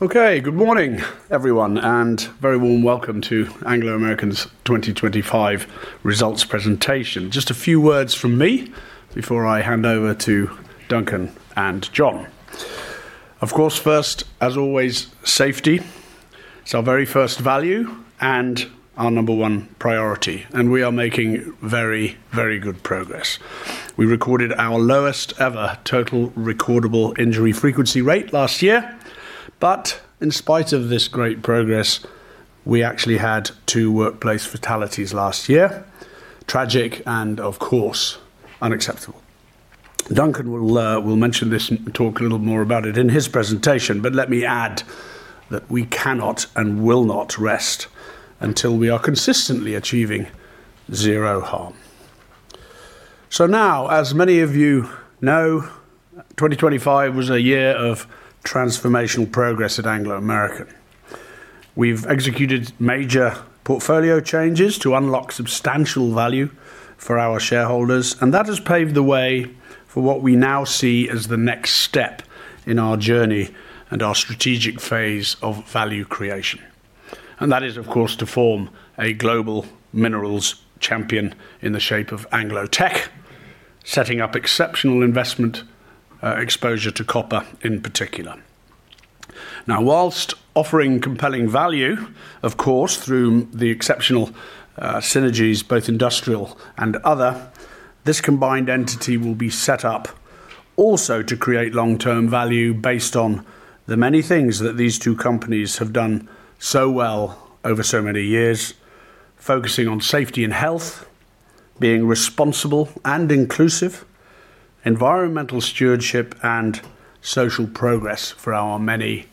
Okay, good morning, everyone, and very warm welcome to Anglo American's 2025 results presentation. Just a few words from me before I hand over to Duncan and John. Of course, first, as always, safety. It's our very first value and our number one priority, and we are making very, very good progress. We recorded our lowest ever total recordable injury frequency rate last year, but in spite of this great progress, we actually had two workplace fatalities last year. Tragic and, of course, unacceptable. Duncan will mention this and talk a little more about it in his presentation, but let me add that we cannot and will not rest until we are consistently achieving zero harm. So now, as many of you know, 2025 was a year of transformational progress at Anglo American. We've executed major portfolio changes to unlock substantial value for our shareholders, and that has paved the way for what we now see as the next step in our journey and our strategic phase of value creation. And that is, of course, to form a global minerals champion in the shape of Anglo Teck, setting up exceptional investment exposure to copper in particular. Now, while offering compelling value, of course, through the exceptional synergies, both industrial and other, this combined entity will be set up also to create long-term value based on the many things that these two companies have done so well over so many years: focusing on Safety and Health, being responsible and inclusive, environmental stewardship, and social progress for our many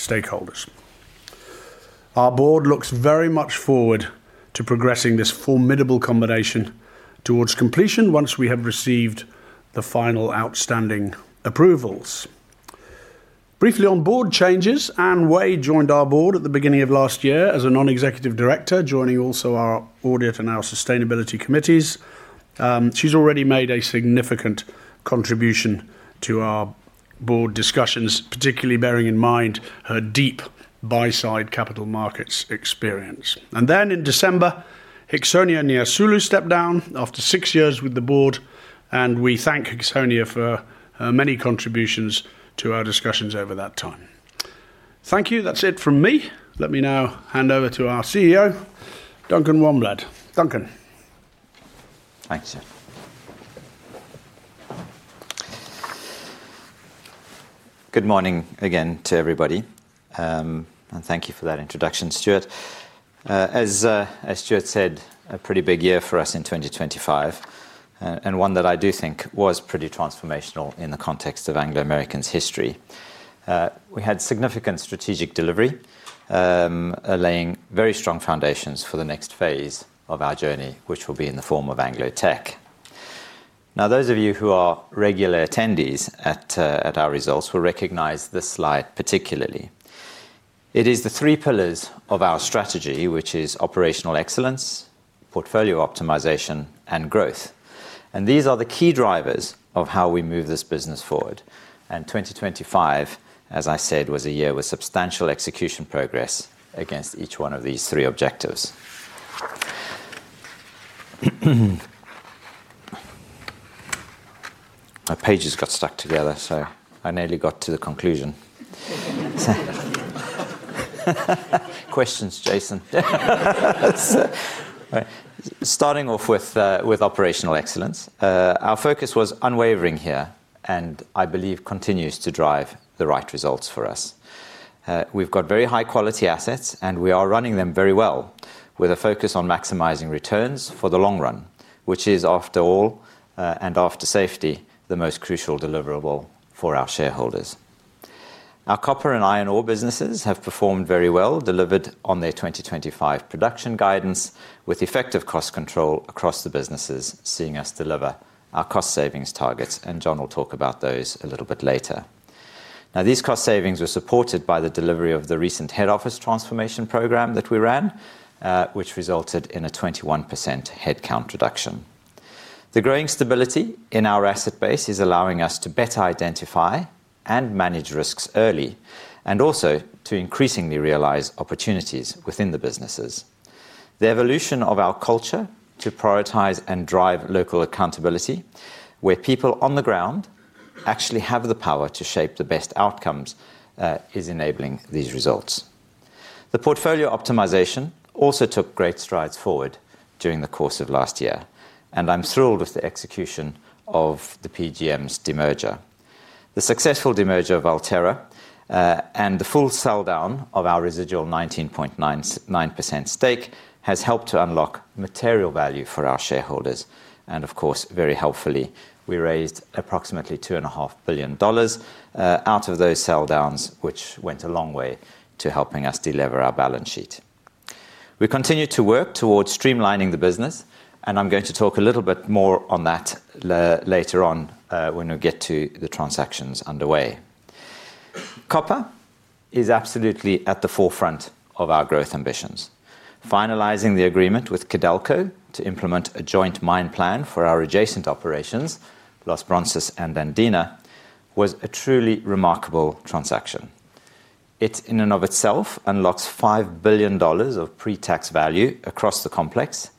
stakeholders. Our Board looks very much forward to progressing this formidable combination towards completion once we have received the final outstanding approvals. Briefly on Board changes, Anne Wade joined our Board at the beginning of last year as a non-executive director, joining also our Audit and our Sustainability Committees. She's already made a significant contribution to our Board discussions, particularly bearing in mind her deep buy-side capital markets experience. And then in December, Hixonia Nyasulu stepped down after six years with the Board, and we thank Hixonia for her many contributions to our discussions over that time. Thank you. That's it from me. Let me now hand over to our CEO, Duncan Wanblad. Duncan? Thanks, Stuart. Good morning again to everybody, and thank you for that introduction, Stuart. As Stuart said, a pretty big year for us in 2025, and one that I do think was pretty transformational in the context of Anglo American's history. We had significant strategic delivery, laying very strong foundations for the next phase of our journey, which will be in the form of Anglo Teck. Now, those of you who are regular attendees at our results will recognize this slide, particularly. It is the three pillars of our strategy, which is operational excellence, portfolio optimization, and growth. These are the key drivers of how we move this business forward. 2025, as I said, was a year with substantial execution progress against each one of these three objectives. My pages got stuck together, so I nearly got to the conclusion. Questions, Jason? Right. Starting off with operational excellence. Our focus was unwavering here, and I believe continues to drive the right results for us. We've got very high-quality assets, and we are running them very well, with a focus on maximizing returns for the long run, which is, after all, and after safety, the most crucial deliverable for our shareholders. Our copper and iron ore businesses have performed very well, delivered on their 2025 production guidance, with effective cost control across the businesses, seeing us deliver our cost savings targets, and John will talk about those a little bit later. Now, these cost savings were supported by the delivery of the recent head office transformation program that we ran, which resulted in a 21% headcount reduction. The growing stability in our asset base is allowing us to better identify and manage risks early, and also to increasingly realize opportunities within the businesses. The evolution of our culture to prioritize and drive local accountability, where people on the ground actually have the power to shape the best outcomes, is enabling these results. The portfolio optimization also took great strides forward during the course of last year, and I'm thrilled with the execution of the PGMs' demerger. The successful demerger of Valterra, and the full sell-down of our residual 19.99% stake, has helped to unlock material value for our shareholders. And of course, very helpfully, we raised approximately $2.5 billion out of those sell-downs, which went a long way to helping us delever our balance sheet. We continue to work towards streamlining the business, and I'm going to talk a little bit more on that later on, when we get to the transactions underway. Copper is absolutely at the forefront of our growth ambitions. Finalizing the agreement with Codelco to implement a joint mine plan for our adjacent operations, Los Bronces and Andina, was a truly remarkable transaction. It, in and of itself, unlocks $5 billion of pre-tax value across the complex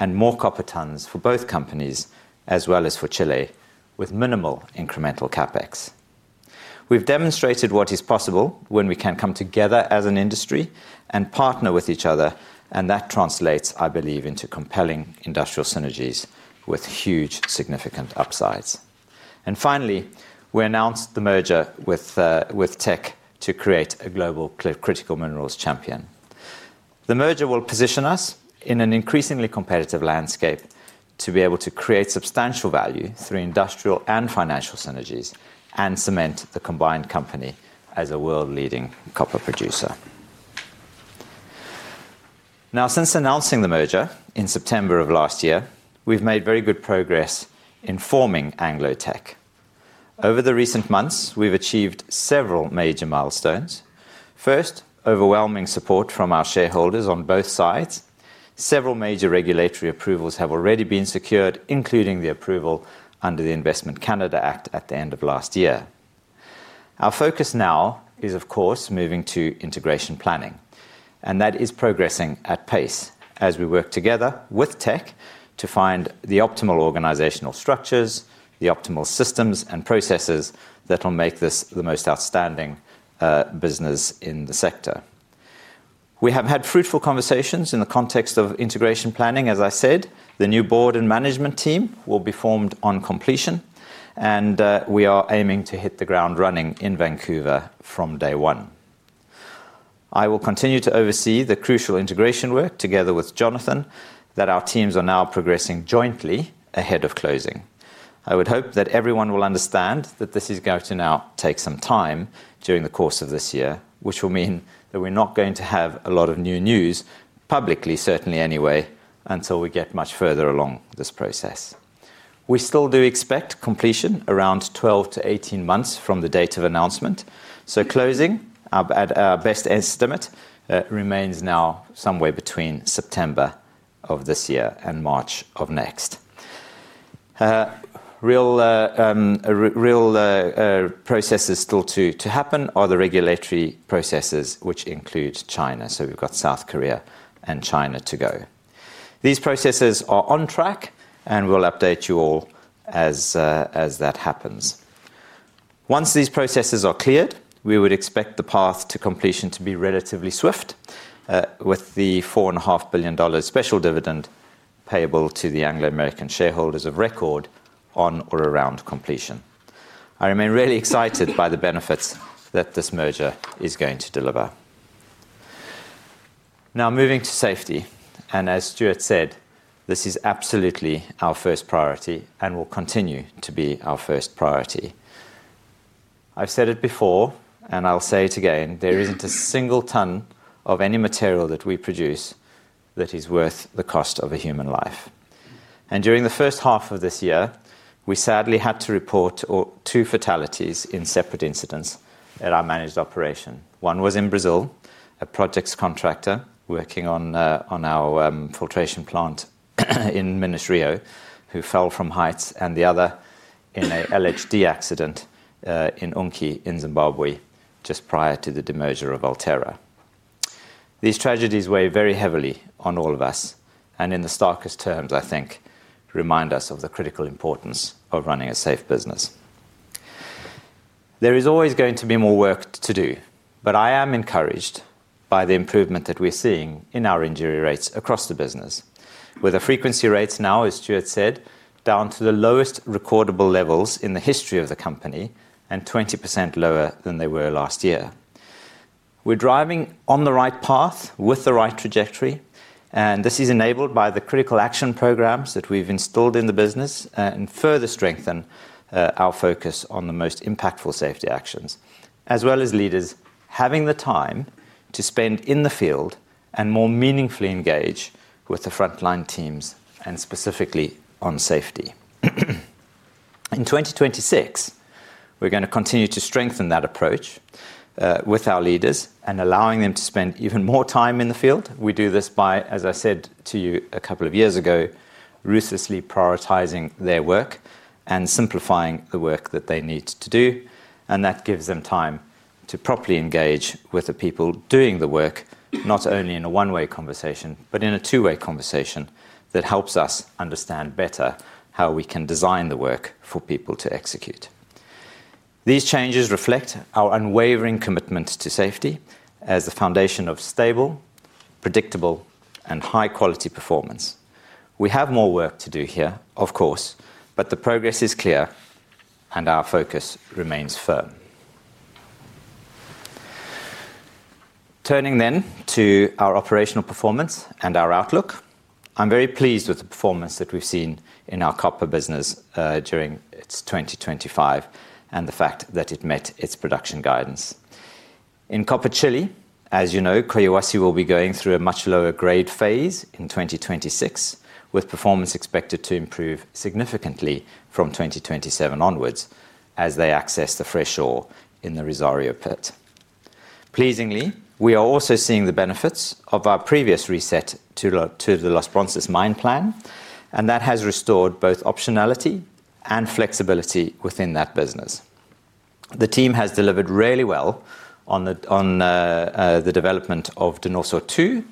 and more copper tons for both companies, as well as for Chile, with minimal incremental CapEx. We've demonstrated what is possible when we can come together as an industry and partner with each other, and that translates, I believe, into compelling industrial synergies with huge, significant upsides. And finally, we announced the merger with Teck to create a global critical minerals champion. The merger will position us in an increasingly competitive landscape to be able to create substantial value through industrial and financial synergies, and cement the combined company as a world-leading copper producer. Now, since announcing the merger in September of last year, we've made very good progress in forming Anglo Teck. Over the recent months, we've achieved several major milestones. First, overwhelming support from our shareholders on both sides. Several major regulatory approvals have already been secured, including the approval under the Investment Canada Act at the end of last year. Our focus now is, of course, moving to integration planning, and that is progressing at pace as we work together with Teck to find the optimal organizational structures, the optimal systems and processes that will make this the most outstanding business in the sector. We have had fruitful conversations in the context of integration planning, as I said. The new Board and management team will be formed on completion, and we are aiming to hit the ground running in Vancouver from day one. I will continue to oversee the crucial integration work, together with Jonathan, that our teams are now progressing jointly ahead of closing. I would hope that everyone will understand that this is going to now take some time during the course of this year, which will mean that we're not going to have a lot of new news, publicly, certainly anyway, until we get much further along this process. We still do expect completion around 12-18 months from the date of announcement, so closing, at our best estimate, remains now somewhere between September of this year and March of next. Real processes still to happen are the regulatory processes, which include China. So we've got South Korea and China to go. These processes are on track, and we'll update you all as that happens. Once these processes are cleared, we would expect the path to completion to be relatively swift, with the $4.5 billion special dividend payable to the Anglo American shareholders of record on or around completion. I remain really excited by the benefits that this merger is going to deliver. Now, moving to safety, and as Stuart said, this is absolutely our first priority and will continue to be our first priority. I've said it before, and I'll say it again: there isn't a single ton of any material that we produce that is worth the cost of a human life. During the first half of this year, we sadly had to report two fatalities in separate incidents at our managed operation. One was in Brazil, a projects contractor working on our filtration plant in Minas-Rio, who fell from heights, and the other in a LHD accident in Unki, in Zimbabwe, just prior to the demerger of Valterra. These tragedies weigh very heavily on all of us, and in the starkest terms, I think, remind us of the critical importance of running a safe business. There is always going to be more work to do, but I am encouraged by the improvement that we're seeing in our injury rates across the business, with the frequency rates now, as Stuart said, down to the lowest recordable levels in the history of the company and 20% lower than they were last year. We're driving on the right path with the right trajectory, and this is enabled by the critical action programs that we've installed in the business, and further strengthen our focus on the most impactful safety actions, as well as leaders having the time to spend in the field and more meaningfully engage with the frontline teams, and specifically on safety. In 2026, we're going to continue to strengthen that approach, with our leaders and allowing them to spend even more time in the field. We do this by, as I said to you a couple of years ago, ruthlessly prioritizing their work and simplifying the work that they need to do, and that gives them time to properly engage with the people doing the work, not only in a one-way conversation, but in a two-way conversation that helps us understand better how we can design the work for people to execute. These changes reflect our unwavering commitment to safety as the foundation of stable, predictable, and high-quality performance. We have more work to do here, of course, but the progress is clear, and our focus remains firm. Turning then to our operational performance and our outlook. I'm very pleased with the performance that we've seen in our copper business, during 2025, and the fact that it met its production guidance. In copper Chile, as you know, Collahuasi will be going through a much lower grade phase in 2026, with performance expected to improve significantly from 2027 onwards as they access the fresh ore in the Rosario pit. Pleasingly, we are also seeing the benefits of our previous reset to the Los Bronces mine plan, and that has restored both optionality and flexibility within that business. The team has delivered really well on the development of Donoso 2.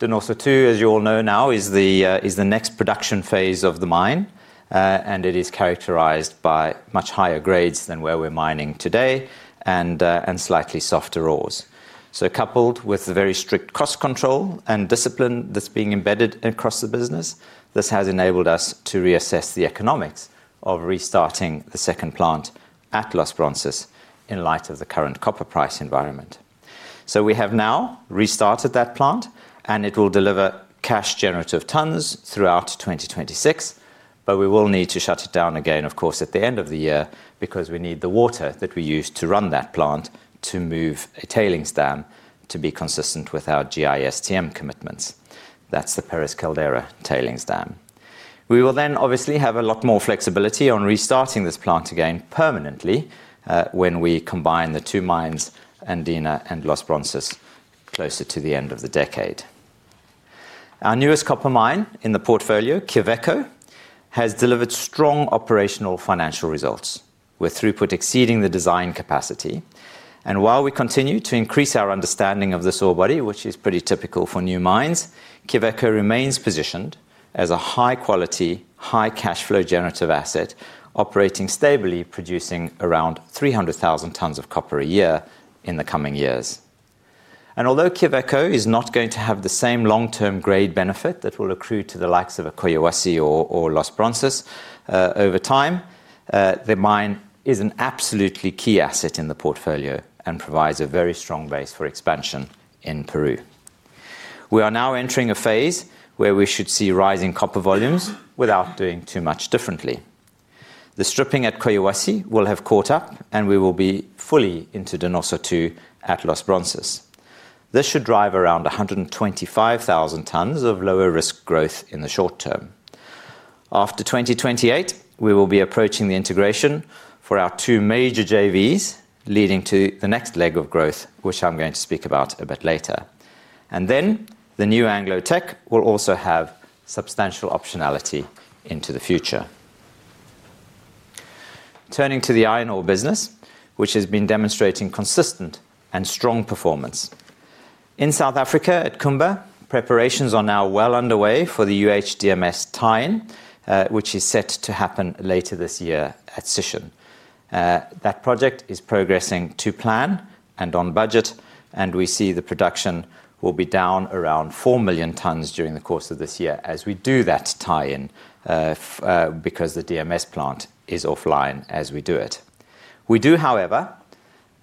Donoso 2, as you all know now, is the next production phase of the mine, and it is characterized by much higher grades than where we're mining today and slightly softer ores. So coupled with the very strict cost control and discipline that's being embedded across the business, this has enabled us to reassess the economics of restarting the second plant at Los Bronces in light of the current copper price environment. So we have now restarted that plant, and it will deliver cash generative tons throughout 2026, but we will need to shut it down again, of course, at the end of the year, because we need the water that we use to run that plant to move a tailings dam to be consistent with our GISTM commitments. That's the Pérez Caldera tailings dam. We will then obviously have a lot more flexibility on restarting this plant again permanently, when we combine the two mines, Andina and Los Bronces, closer to the end of the decade. Our newest copper mine in the portfolio, Quellaveco, has delivered strong operational financial results, with throughput exceeding the design capacity. While we continue to increase our understanding of this ore body, which is pretty typical for new mines, Quellaveco remains positioned as a high quality, high cash flow generative asset, operating stably, producing around 300,000 tons of copper a year in the coming years. Although Quellaveco is not going to have the same long-term grade benefit that will accrue to the likes of a Collahuasi or Los Bronces over time, the mine is an absolutely key asset in the portfolio and provides a very strong base for expansion in Peru. We are now entering a phase where we should see rising copper volumes without doing too much differently. The stripping at Quellaveco will have caught up, and we will be fully into Donoso 2 at Los Bronces. This should drive around 125,000 tons of lower risk growth in the short term. After 2028, we will be approaching the integration for our two major JVs, leading to the next leg of growth, which I'm going to speak about a bit later. And then the new Anglo Teck will also have substantial optionality into the future. Turning to the iron ore business, which has been demonstrating consistent and strong performance. In South Africa, at Kumba, preparations are now well underway for the UHDMS tie-in, which is set to happen later this year at Sishen. That project is progressing to plan and on budget, and we see the production will be down around 4 million tons during the course of this year as we do that tie-in, because the DMS plant is offline as we do it. We do, however,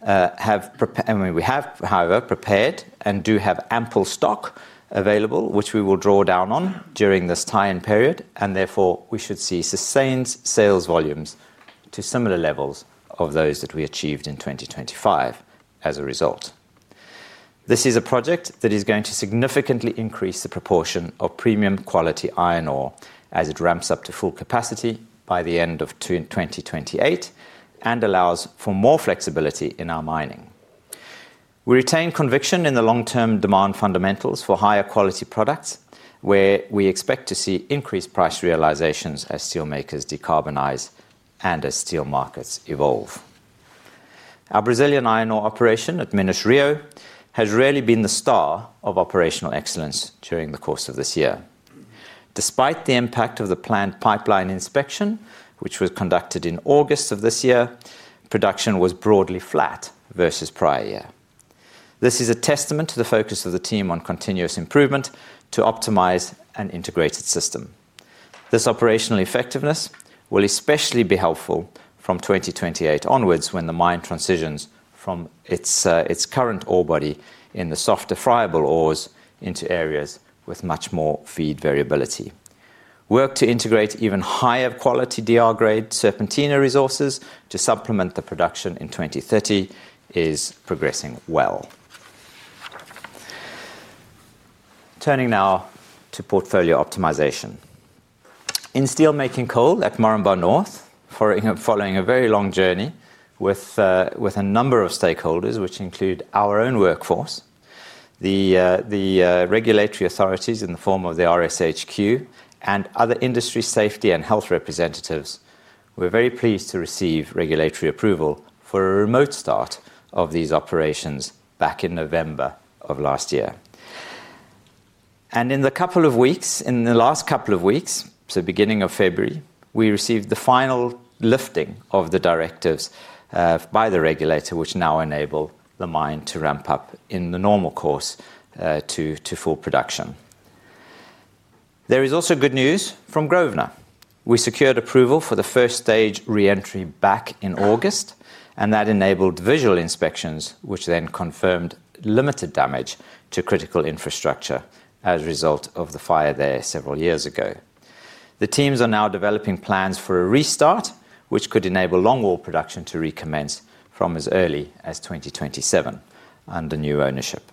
I mean, we have, however, prepared and do have ample stock available, which we will draw down on during this tie-in period, and therefore, we should see sustained sales volumes to similar levels of those that we achieved in 2025 as a result. This is a project that is going to significantly increase the proportion of premium quality iron ore as it ramps up to full capacity by the end of 2028 and allows for more flexibility in our mining. We retain conviction in the long-term demand fundamentals for higher quality products, where we expect to see increased price realizations as steelmakers decarbonize and as steel markets evolve. Our Brazilian iron ore operation at Minas-Rio has really been the star of operational excellence during the course of this year. Despite the impact of the planned pipeline inspection, which was conducted in August of this year, production was broadly flat versus prior year. This is a testament to the focus of the team on continuous improvement to optimize an integrated system. This operational effectiveness will especially be helpful from 2028 onwards, when the mine transitions from its current ore body in the softer friable ores into areas with much more feed variability. Work to integrate even higher quality DR grade serpentinite resources to supplement the production in 2030 is progressing well. Turning now to portfolio optimization. In steelmaking coal at Moranbah North, following a very long journey with a number of stakeholders, which include our own workforce, the regulatory authorities in the form of the RSHQ and other industry Safety and Health representatives, we're very pleased to receive regulatory approval for a remote start of these operations back in November of last year. In the last couple of weeks, so beginning of February, we received the final lifting of the directives by the regulator, which now enable the mine to ramp up in the normal course to full production. There is also good news from Grosvenor. We secured approval for the first stage re-entry back in August, and that enabled visual inspections, which then confirmed limited damage to critical infrastructure as a result of the fire there several years ago. The teams are now developing plans for a restart, which could enable longwall production to recommence from as early as 2027 under new ownership.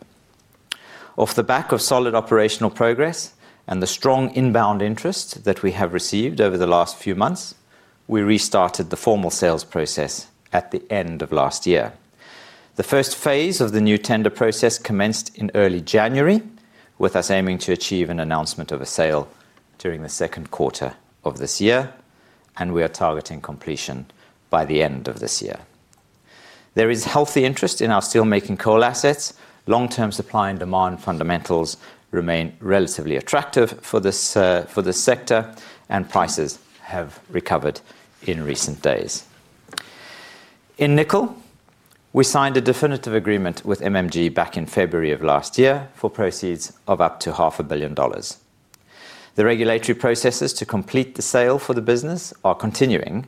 Off the back of solid operational progress and the strong inbound interest that we have received over the last few months, we restarted the formal sales process at the end of last year. The first phase of the new tender process commenced in early January, with us aiming to achieve an announcement of a sale during the second quarter of this year, and we are targeting completion by the end of this year. There is healthy interest in our steelmaking coal assets. Long-term supply and demand fundamentals remain relatively attractive for this sector, and prices have recovered in recent days. In nickel, we signed a definitive agreement with MMG back in February of last year for proceeds of up to $500 million. The regulatory processes to complete the sale for the business are continuing,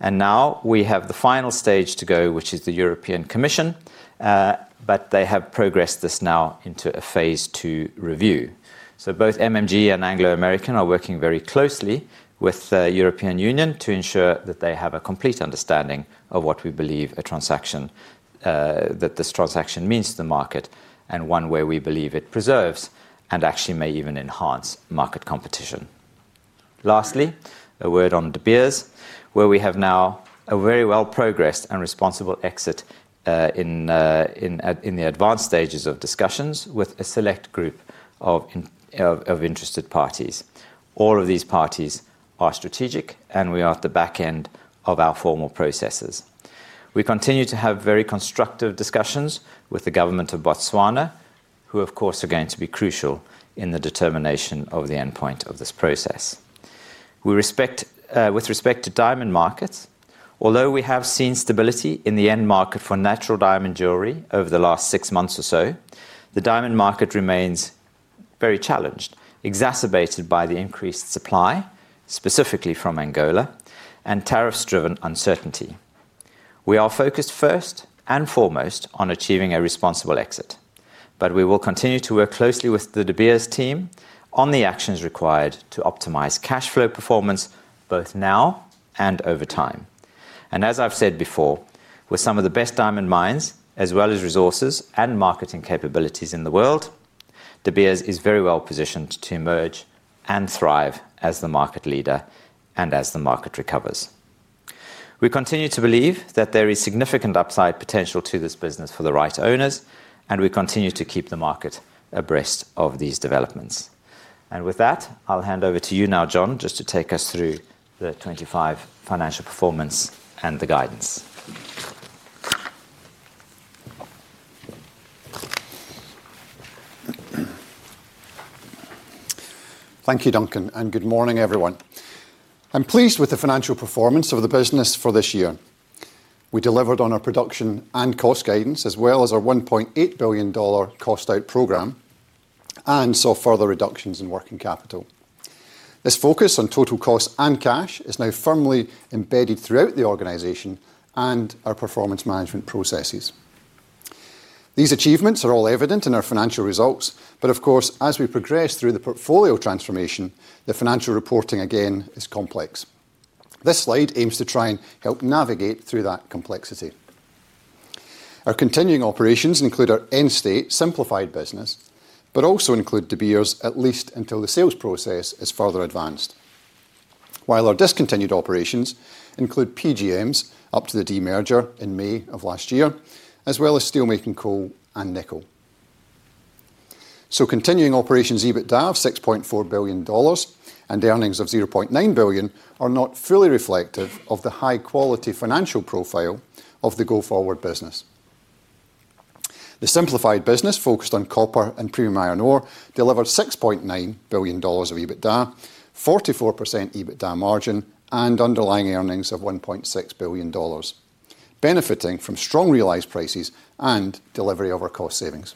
and now we have the final stage to go, which is the European Commission, but they have progressed this now into a Phase 2 review. So both MMG and Anglo American are working very closely with the European Union to ensure that they have a complete understanding of what we believe a transaction, that this transaction means to the market, and one where we believe it preserves and actually may even enhance market competition. Lastly, a word on De Beers, where we have now a very well progressed and responsible exit, in the advanced stages of discussions with a select group of interested parties. All of these parties are strategic, and we are at the back end of our formal processes. We continue to have very constructive discussions with the Government of Botswana, who, of course, are going to be crucial in the determination of the endpoint of this process. We respect, with respect to diamond markets, although we have seen stability in the end market for natural diamond jewelry over the last six months or so, the diamond market remains very challenged, exacerbated by the increased supply, specifically from Angola, and tariffs-driven uncertainty. We are focused first and foremost on achieving a responsible exit, but we will continue to work closely with the De Beers team on the actions required to optimize cash flow performance both now and over time. As I've said before, with some of the best diamond mines, as well as resources and marketing capabilities in the world, De Beers is very well positioned to emerge and thrive as the market leader and as the market recovers. We continue to believe that there is significant upside potential to this business for the right owners, and we continue to keep the market abreast of these developments. With that, I'll hand over to you now, John, just to take us through the 2025 financial performance and the guidance. Thank you, Duncan, and good morning, everyone. I'm pleased with the financial performance of the business for this year. We delivered on our production and cost guidance, as well as our $1.8 billion cost-out program, and saw further reductions in working capital. This focus on total cost and cash is now firmly embedded throughout the organization and our performance management processes. These achievements are all evident in our financial results, but of course, as we progress through the portfolio transformation, the financial reporting, again, is complex. This slide aims to try and help navigate through that complexity. Our continuing operations include our end-state simplified business, but also include De Beers, at least until the sales process is further advanced. While our discontinued operations include PGMs up to the demerger in May of last year, as well as steelmaking coal and nickel. Continuing operations, EBITDA of $6.4 billion and earnings of $0.9 billion are not fully reflective of the high-quality financial profile of the go-forward business. The simplified business, focused on copper and premium iron ore, delivered $6.9 billion of EBITDA, 44% EBITDA margin, and underlying earnings of $1.6 billion, benefiting from strong realized prices and delivery of our cost savings.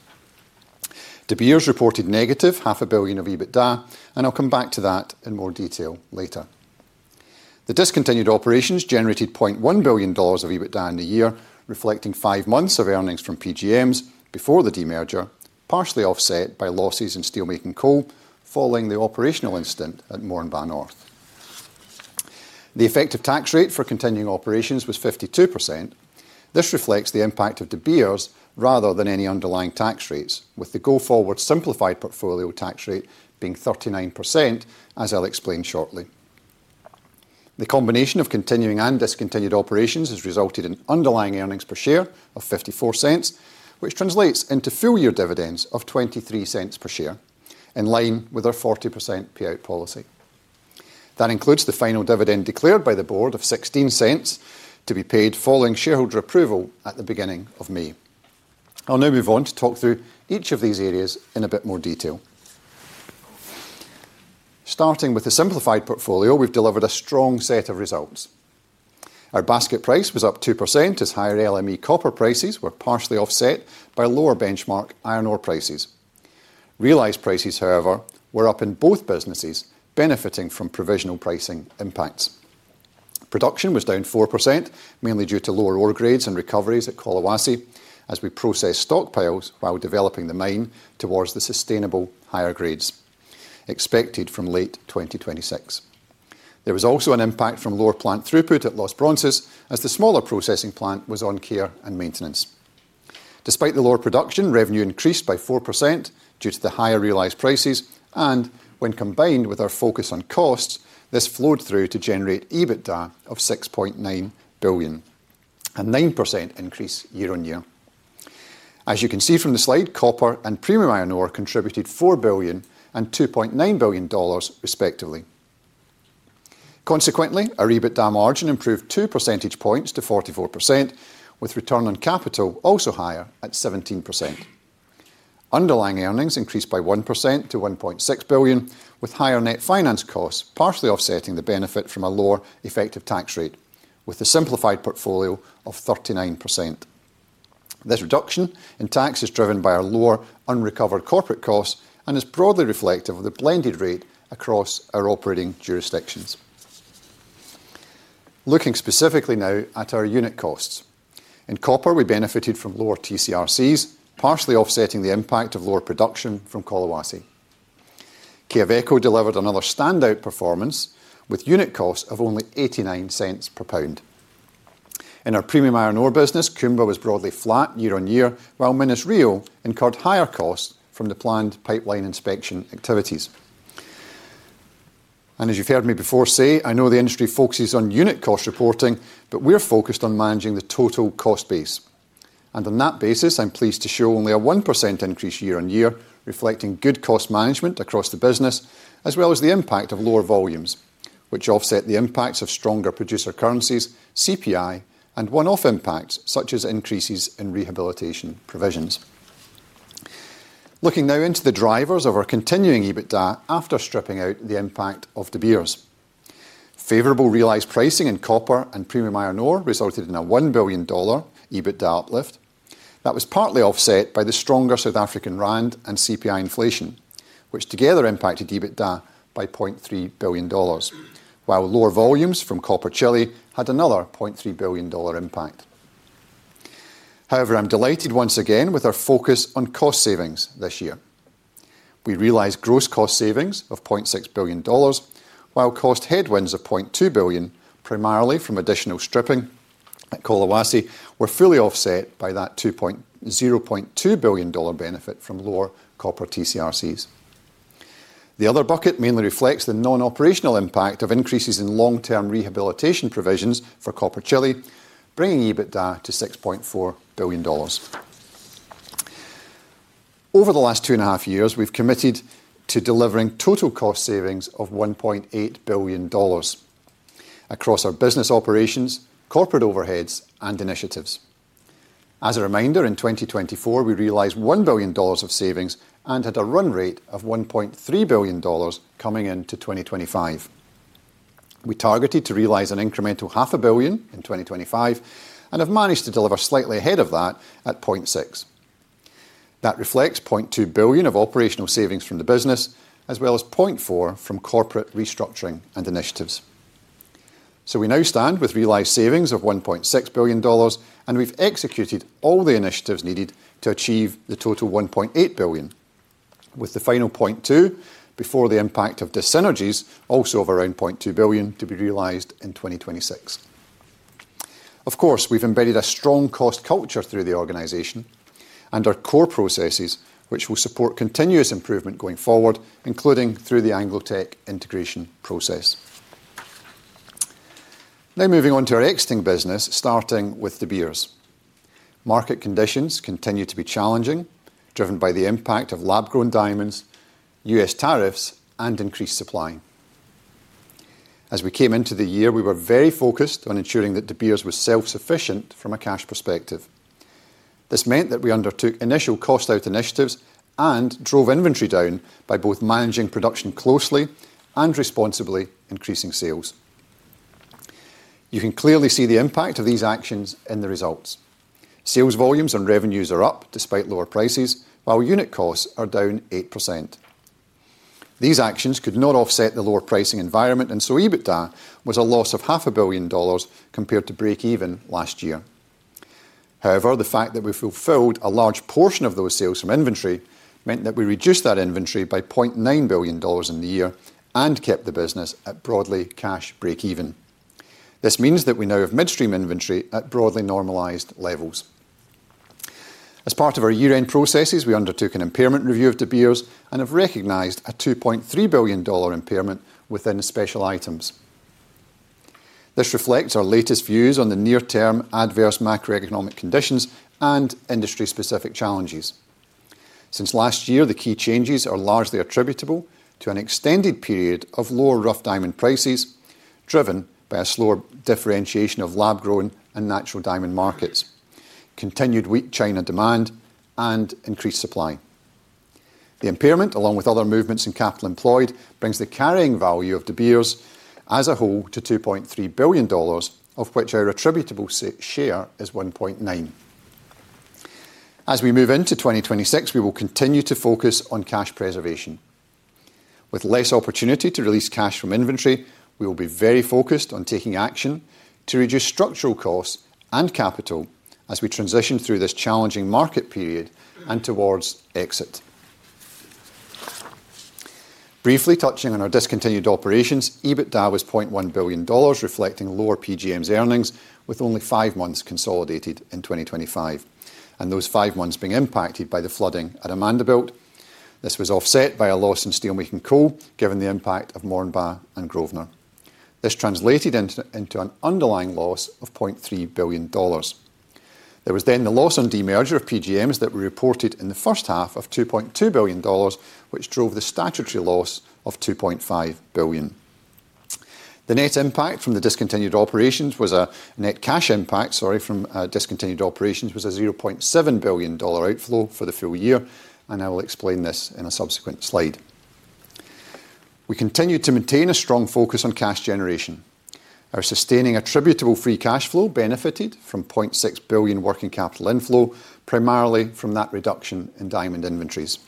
De Beers reported -$0.5 billion of EBITDA, and I'll come back to that in more detail later. The discontinued operations generated $0.1 billion of EBITDA in the year, reflecting five months of earnings from PGMs before the demerger, partially offset by losses in steelmaking coal following the operational incident at Moranbah North. The effective tax rate for continuing operations was 52%. This reflects the impact of De Beers rather than any underlying tax rates, with the go-forward simplified portfolio tax rate being 39%, as I'll explain shortly. The combination of continuing and discontinued operations has resulted in underlying earnings per share of $0.54, which translates into full-year dividends of $0.23 per share, in line with our 40% payout policy. That includes the final dividend declared by the Board of $0.16 to be paid following shareholder approval at the beginning of May. I'll now move on to talk through each of these areas in a bit more detail. Starting with the simplified portfolio, we've delivered a strong set of results. Our basket price was up 2% as higher LME copper prices were partially offset by lower benchmark iron ore prices. Realized prices, however, were up in both businesses, benefiting from provisional pricing impacts. Production was down 4%, mainly due to lower ore grades and recoveries at Collahuasi, as we processed stockpiles while developing the mine towards the sustainable higher grades expected from late 2026. There was also an impact from lower plant throughput at Los Bronces, as the smaller processing plant was on care and maintenance. Despite the lower production, revenue increased by 4% due to the higher realized prices, and when combined with our focus on costs, this flowed through to generate EBITDA of $6.9 billion, a 9% increase year-on-year. As you can see from the slide, copper and premium iron ore contributed $4 billion and $2.9 billion, respectively. Consequently, our EBITDA margin improved 2 percentage points to 44%, with return on capital also higher at 17%. Underlying earnings increased by 1% to $1.6 billion, with higher net finance costs partially offsetting the benefit from a lower effective tax rate, with a simplified portfolio of 39%. This reduction in tax is driven by our lower unrecovered corporate costs and is broadly reflective of the blended rate across our operating jurisdictions. Looking specifically now at our unit costs. In copper, we benefited from lower TCRCs, partially offsetting the impact of lower production from Collahuasi. Quellaveco delivered another standout performance, with unit costs of only $0.89 per pound. In our premium iron ore business, Kumba was broadly flat year-on-year, while Minas-Rio incurred higher costs from the planned pipeline inspection activities. And as you've heard me before say, I know the industry focuses on unit cost reporting, but we're focused on managing the total cost base. I'm pleased to show only a 1% increase year-over-year, reflecting good cost management across the business, as well as the impact of lower volumes, which offset the impacts of stronger producer currencies, CPI, and one-off impacts such as increases in rehabilitation provisions. Looking now into the drivers of our continuing EBITDA after stripping out the impact of De Beers. Favorable realized pricing in copper and premium iron ore resulted in a $1 billion EBITDA uplift. That was partly offset by the stronger South African rand and CPI inflation, which together impacted EBITDA by $0.3 billion, while lower volumes from copper Chile had another $0.3 billion impact. However, I'm delighted once again with our focus on cost savings this year. We realized gross cost savings of $600 million, while cost headwinds of $200 million, primarily from additional stripping at Collahuasi, were fully offset by that $200 million benefit from lower copper TCRCs. The other bucket mainly reflects the non-operational impact of increases in long-term rehabilitation provisions for copper Chile, bringing EBITDA to $6.4 billion. Over the last 2.5 years, we've committed to delivering total cost savings of $1.8 billion across our business operations, corporate overheads, and initiatives. As a reminder, in 2024, we realized $1 billion of savings and had a run rate of $1.3 billion coming into 2025. We targeted to realize an incremental $500 million in 2025 and have managed to deliver slightly ahead of that at $0.6 million. That reflects $0.2 billion of operational savings from the business, as well as $0.4 billion from corporate restructuring and initiatives. So we now stand with realized savings of $1.6 billion, and we've executed all the initiatives needed to achieve the total $1.8 billion, with the final $0.2 billion before the impact of dyssynergies also of around $0.2 billion to be realized in 2026. Of course, we've embedded a strong cost culture through the organization and our core processes, which will support continuous improvement going forward, including through the Anglo Teck integration process. Now, moving on to our exiting business, starting with De Beers. Market conditions continue to be challenging, driven by the impact of lab-grown diamonds, U.S. tariffs, and increased supply. As we came into the year, we were very focused on ensuring that De Beers was self-sufficient from a cash perspective. This meant that we undertook initial cost-out initiatives and drove inventory down by both managing production closely and responsibly increasing sales. You can clearly see the impact of these actions in the results. Sales volumes and revenues are up despite lower prices, while unit costs are down 8%. These actions could not offset the lower pricing environment, and so EBITDA was a loss of $500 million compared to break even last year. However, the fact that we fulfilled a large portion of those sales from inventory meant that we reduced that inventory by $0.9 billion in the year and kept the business at broadly cash breakeven. This means that we now have midstream inventory at broadly normalized levels. As part of our year-end processes, we undertook an impairment review of De Beers and have recognized a $2.3 billion impairment within the special items. This reflects our latest views on the near-term adverse macroeconomic conditions and industry-specific challenges. Since last year, the key changes are largely attributable to an extended period of lower rough diamond prices, driven by a slower differentiation of lab-grown and natural diamond markets, continued weak China demand, and increased supply. The impairment, along with other movements in capital employed, brings the carrying value of De Beers as a whole to $2.3 billion, of which our attributable share is $1.9 billion. As we move into 2026, we will continue to focus on cash preservation. With less opportunity to release cash from inventory, we will be very focused on taking action to reduce structural costs and capital as we transition through this challenging market period and towards exit. Briefly touching on our discontinued operations, EBITDA was $0.1 billion, reflecting lower PGMs earnings, with only five months consolidated in 2025, and those five months being impacted by the flooding at Amandelbult. This was offset by a loss in steelmaking coal, given the impact of Moranbah and Grosvenor. This translated into an underlying loss of $0.3 billion. There was then the loss on demerger of PGMs that we reported in the first half of $2.2 billion, which drove the statutory loss of $2.5 billion. The net impact from the discontinued operations was a net cash impact, sorry, from discontinued operations, was a $0.7 billion outflow for the full year, and I will explain this in a subsequent slide. We continued to maintain a strong focus on cash generation. Our sustaining attributable free cash flow benefited from $0.6 billion working capital inflow, primarily from that reduction in diamond inventories.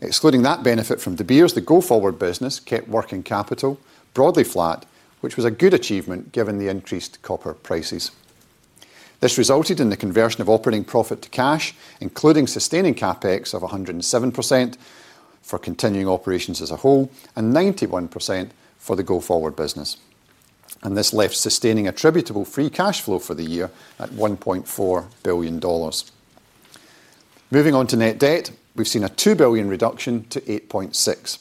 Excluding that benefit from De Beers, the go-forward business kept working capital broadly flat, which was a good achievement, given the increased copper prices. This resulted in the conversion of operating profit to cash, including sustaining CapEx of 107% for continuing operations as a whole, and 91% for the go-forward business. And this left sustaining attributable free cash flow for the year at $1.4 billion. Moving on to net debt, we've seen a $2 billion reduction to $8.6 billion.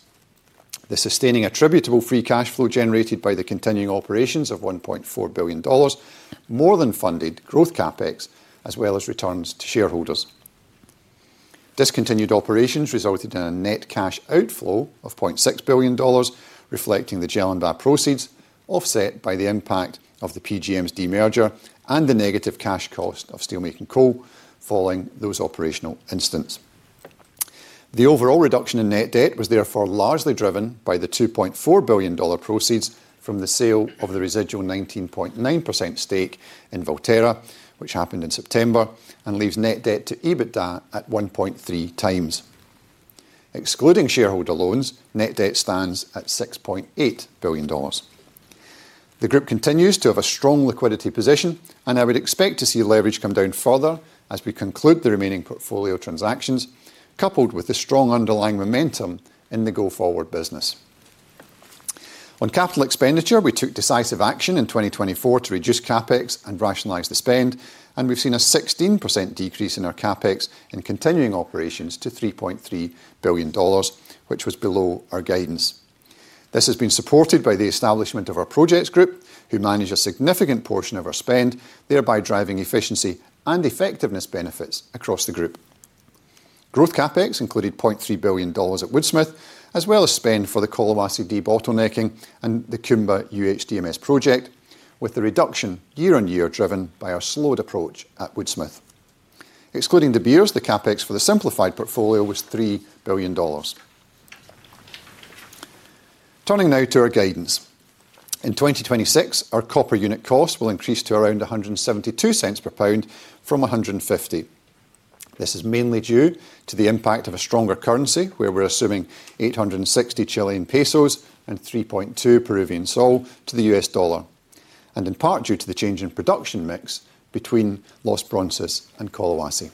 The sustaining attributable free cash flow generated by the continuing operations of $1.4 billion, more than funded growth CapEx, as well as returns to shareholders. Discontinued operations resulted in a net cash outflow of $0.6 billion, reflecting the Jellinbah, proceeds, offset by the impact of the PGMs demerger and the negative cash cost of steelmaking coal following those operational incidents. The overall reduction in net debt was therefore largely driven by the $2.4 billion proceeds from the sale of the residual 19.9% stake in Valterra, which happened in September and leaves net debt to EBITDA at 1.3x. Excluding shareholder loans, net debt stands at $6.8 billion. The group continues to have a strong liquidity position, and I would expect to see leverage come down further as we conclude the remaining portfolio transactions, coupled with the strong underlying momentum in the go-forward business. On capital expenditure, we took decisive action in 2024 to reduce CapEx and rationalize the spend, and we've seen a 16% decrease in our CapEx in continuing operations to $3.3 billion, which was below our guidance. This has been supported by the establishment of our Projects Group, who manage a significant portion of our spend, thereby driving efficiency and effectiveness benefits across the group. Growth CapEx included $0.3 billion at Woodsmith, as well as spend for the Collahuasi debottlenecking and the Kumba UHDMS project, with the reduction year on year driven by our slowed approach at Woodsmith. Excluding De Beers, the CapEx for the simplified portfolio was $3 billion. Turning now to our guidance. In 2026, our copper unit cost will increase to around $1.72 per pound from $1.50. This is mainly due to the impact of a stronger currency, where we're assuming 860 Chilean pesos and PEN 3.2 to the U.S. dollar, and in part due to the change in production mix between Los Bronces and Collahuasi.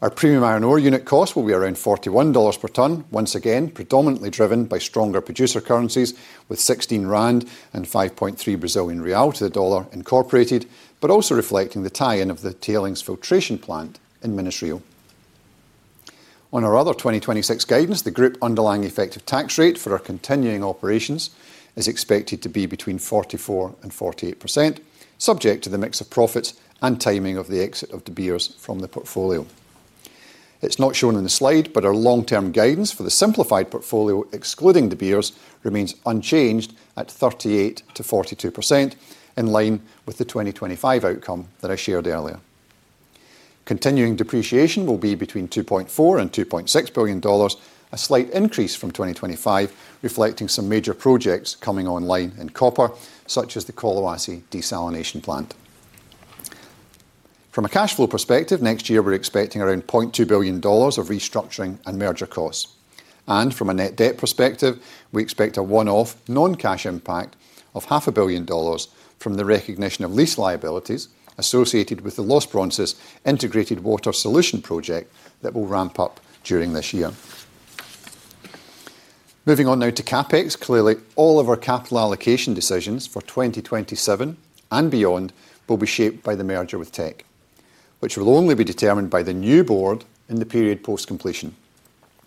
Our premium iron ore unit cost will be around $41 per ton, once again, predominantly driven by stronger producer currencies, with 16 rand and 5.3 Brazilian real to the dollar incorporated, but also reflecting the tie-in of the tailings filtration plant in Minas-Rio. On our other 2026 guidance, the group underlying effective tax rate for our continuing operations is expected to be between 44% and 48%, subject to the mix of profits and timing of the exit of De Beers from the portfolio. It's not shown in the slide, but our long-term guidance for the simplified portfolio, excluding De Beers, remains unchanged at 38%-42%, in line with the 2025 outcome that I shared earlier. Continuing depreciation will be between $2.4 billion-$2.6 billion, a slight increase from 2025, reflecting some major projects coming online in copper, such as the Collahuasi desalination plant. From a cash flow perspective, next year, we're expecting around $0.2 billion of restructuring and merger costs, and from a net debt perspective, we expect a one-off non-cash impact of $0.5 billion from the recognition of lease liabilities associated with the Los Bronces Integrated Water Solution project that will ramp up during this year. Moving on now to CapEx. Clearly, all of our capital allocation decisions for 2027 and beyond will be shaped by the merger with Teck, which will only be determined by the new Board in the period post-completion.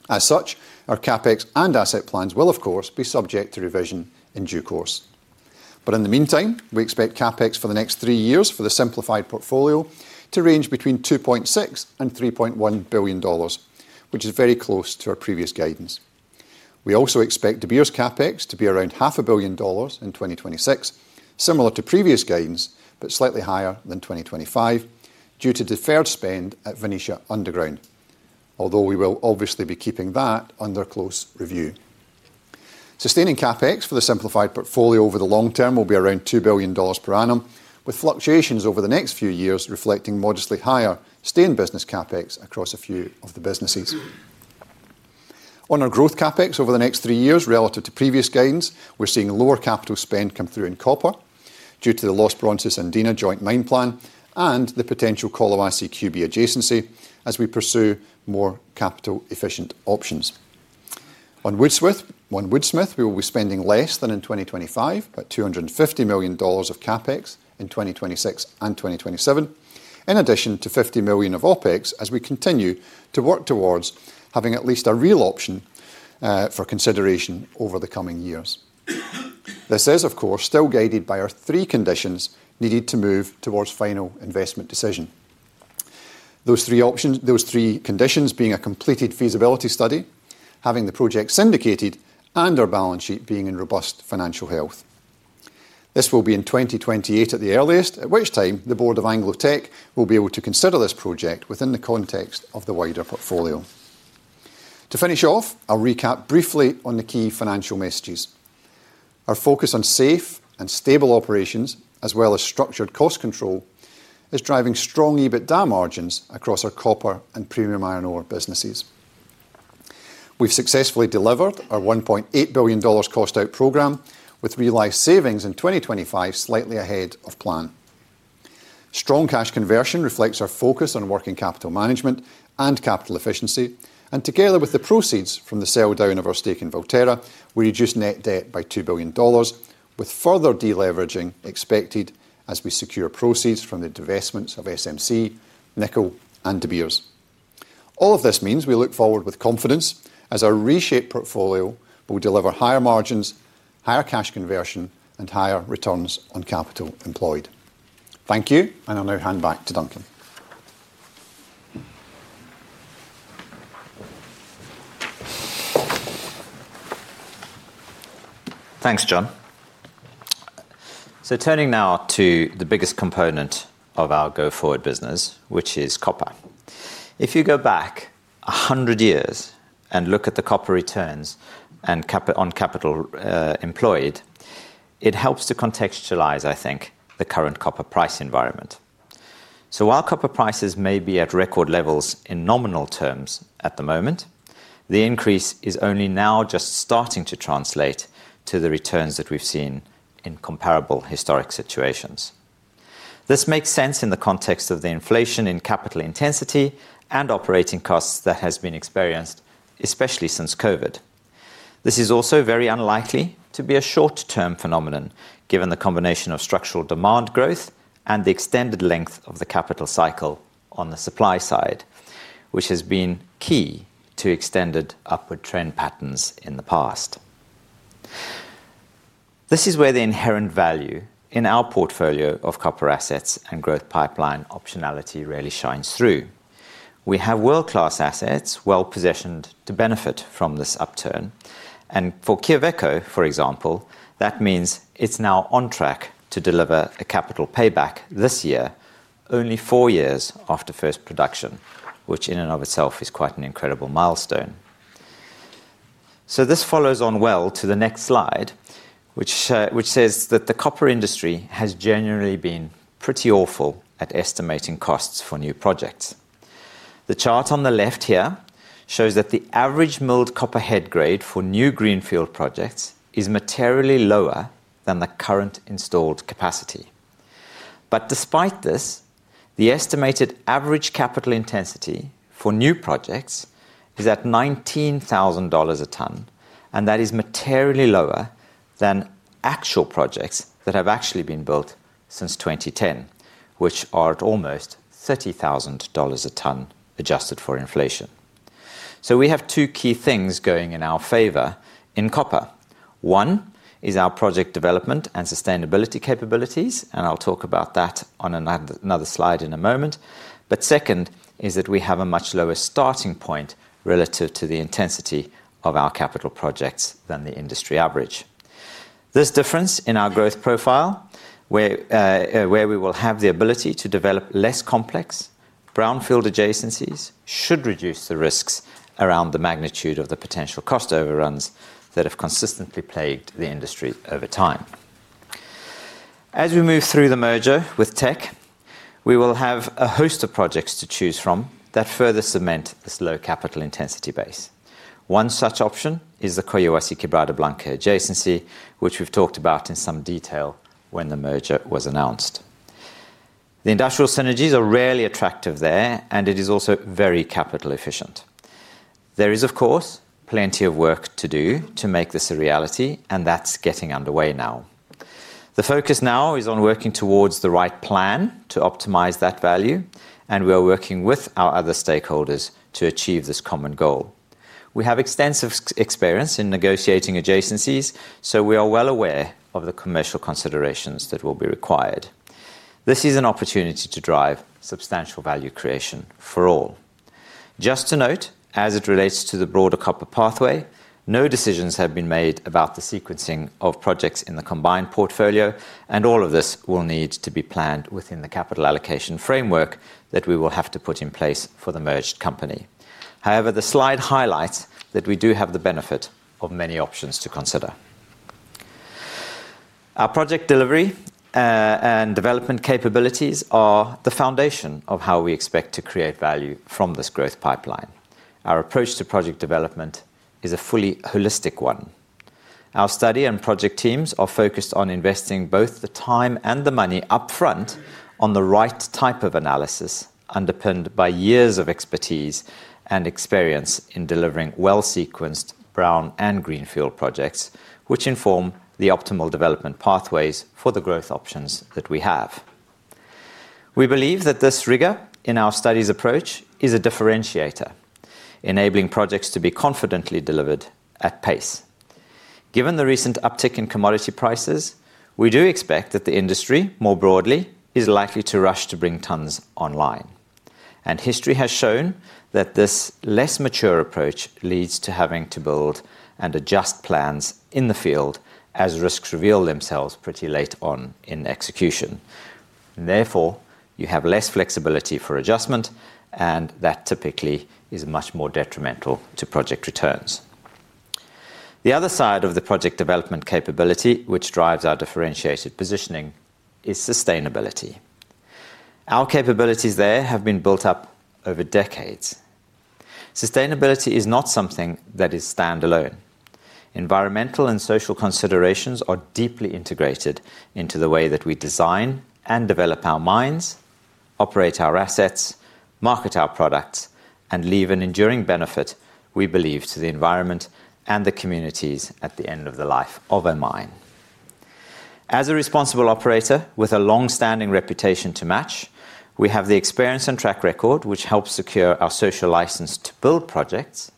As such, our CapEx and asset plans will, of course, be subject to revision in due course. But in the meantime, we expect CapEx for the next three years for the simplified portfolio to range between $2.6 billion-$3.1 billion, which is very close to our previous guidance. We also expect De Beers CapEx to be around $500 million in 2026, similar to previous guidance, but slightly higher than 2025, due to deferred spend at Venetia Underground, although we will obviously be keeping that under close review. Sustaining CapEx for the simplified portfolio over the long term will be around $2 billion per annum, with fluctuations over the next few years reflecting modestly higher stay-in-business CapEx across a few of the businesses. On our growth CapEx over the next three years, relative to previous gains, we're seeing lower capital spend come through in copper due to the Los Bronces Andina joint mine plan and the potential Collahuasi QB adjacency as we pursue more capital-efficient options. On Woodsmith, on Woodsmith, we will be spending less than in 2025, about $250 million of CapEx in 2026 and 2027, in addition to $50 million of OpEx, as we continue to work towards having at least a real option for consideration over the coming years. This is, of course, still guided by our three conditions needed to move towards final investment decision. Those three options, those three conditions being a completed feasibility study, having the project syndicated, and our balance sheet being in robust financial health. This will be in 2028 at the earliest, at which time the Board of Anglo Teck will be able to consider this project within the context of the wider portfolio. To finish off, I'll recap briefly on the key financial messages. Our focus on safe and stable operations, as well as structured cost control, is driving strong EBITDA margins across our copper and premium iron ore businesses. We've successfully delivered our $1.8 billion cost out program, with realized savings in 2025, slightly ahead of plan. Strong cash conversion reflects our focus on working capital management and capital efficiency, and together with the proceeds from the sell down of our stake in Valterra, we reduced net debt by $2 billion, with further deleveraging expected as we secure proceeds from the divestments of SMC, Nickel and De Beers. All of this means we look forward with confidence as our reshaped portfolio will deliver higher margins, higher cash conversion, and higher returns on capital employed. Thank you, and I'll now hand back to Duncan. Thanks, John. So turning now to the biggest component of our go-forward business, which is copper. If you go back 100 years and look at the copper returns on capital employed, it helps to contextualize, I think, the current copper price environment. So while copper prices may be at record levels in nominal terms at the moment, the increase is only now just starting to translate to the returns that we've seen in comparable historic situations. This makes sense in the context of the inflation in capital intensity and operating costs that has been experienced, especially since COVID. This is also very unlikely to be a short-term phenomenon, given the combination of structural demand growth and the extended length of the capital cycle on the supply side, which has been key to extended upward trend patterns in the past. This is where the inherent value in our portfolio of copper assets and growth pipeline optionality really shines through. We have world-class assets well-positioned to benefit from this upturn. And for Quellaveco, for example, that means it's now on track to deliver a capital payback this year, only four years after first production, which in and of itself is quite an incredible milestone. So this follows on well to the next slide, which, which says that the copper industry has generally been pretty awful at estimating costs for new projects. The chart on the left here shows that the average milled copper head grade for new greenfield projects is materially lower than the current installed capacity. But despite this, the estimated average capital intensity for new projects is at $19,000 a ton, and that is materially lower than actual projects that have actually been built since 2010, which are at almost $30,000 a ton, adjusted for inflation. So we have two key things going in our favor in copper. One, is our project development and sustainability capabilities, and I'll talk about that on another slide in a moment. But second is that we have a much lower starting point relative to the intensity of our capital projects than the industry average. This difference in our growth profile, where, where we will have the ability to develop less complex brownfield adjacencies, should reduce the risks around the magnitude of the potential cost overruns that have consistently plagued the industry over time. As we move through the merger with Teck, we will have a host of projects to choose from that further cement this low capital intensity base. One such option is the Collahuasi-Quellaveco adjacency, which we've talked about in some detail when the merger was announced. The industrial synergies are really attractive there, and it is also very capital efficient. There is, of course, plenty of work to do to make this a reality, and that's getting underway now. The focus now is on working towards the right plan to optimize that value, and we are working with our other stakeholders to achieve this common goal. We have extensive experience in negotiating adjacencies, so we are well aware of the commercial considerations that will be required. This is an opportunity to drive substantial value creation for all. Just to note, as it relates to the broader copper pathway, no decisions have been made about the sequencing of projects in the combined portfolio, and all of this will need to be planned within the capital allocation framework that we will have to put in place for the merged company. However, the slide highlights that we do have the benefit of many options to consider. Our project delivery and development capabilities are the foundation of how we expect to create value from this growth pipeline. Our approach to project development is a fully holistic one. Our study and project teams are focused on investing both the time and the money upfront on the right type of analysis, underpinned by years of expertise and experience in delivering well-sequenced brown and greenfield projects, which inform the optimal development pathways for the growth options that we have. We believe that this rigor in our studies approach is a differentiator, enabling projects to be confidently delivered at pace. Given the recent uptick in commodity prices, we do expect that the industry, more broadly, is likely to rush to bring tons online. History has shown that this less mature approach leads to having to build and adjust plans in the field as risks reveal themselves pretty late on in execution. Therefore, you have less flexibility for adjustment, and that typically is much more detrimental to project returns. The other side of the project development capability, which drives our differentiated positioning, is sustainability. Our capabilities there have been built up over decades. Sustainability is not something that is standalone. Environmental and social considerations are deeply integrated into the way that we design and develop our mines, operate our assets, market our products, and leave an enduring benefit, we believe, to the environment and the communities at the end of the life of a mine. As a responsible operator with a long-standing reputation to match, we have the experience and track record, which helps secure our social license to build projects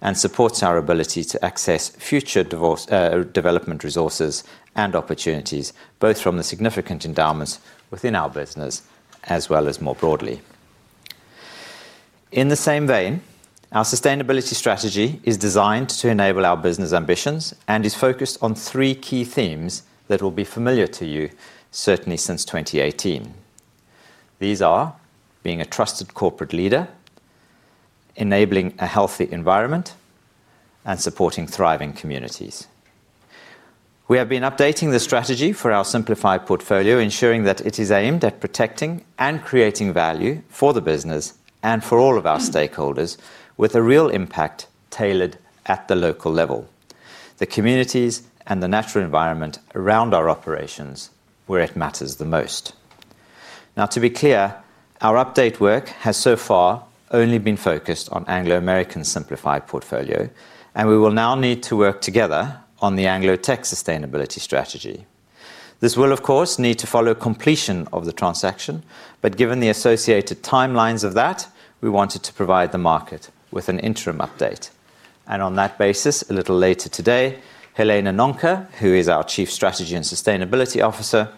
and supports our ability to access future development resources and opportunities, both from the significant endowments within our business as well as more broadly. In the same vein, our sustainability strategy is designed to enable our business ambitions and is focused on three key themes that will be familiar to you, certainly since 2018. These are: being a trusted corporate leader, enabling a healthy environment, and supporting thriving communities. We have been updating the strategy for our simplified portfolio, ensuring that it is aimed at protecting and creating value for the business and for all of our stakeholders, with a real impact tailored at the local level, the communities and the natural environment around our operations, where it matters the most. Now, to be clear, our update work has so far only been focused on Anglo American's simplified portfolio, and we will now need to work together on the Anglo Teck sustainability strategy. This will, of course, need to follow completion of the transaction, but given the associated timelines of that, we wanted to provide the market with an interim update. On that basis, a little later today, Helena Nonka, who is our Chief Strategy & Sustainability Officer,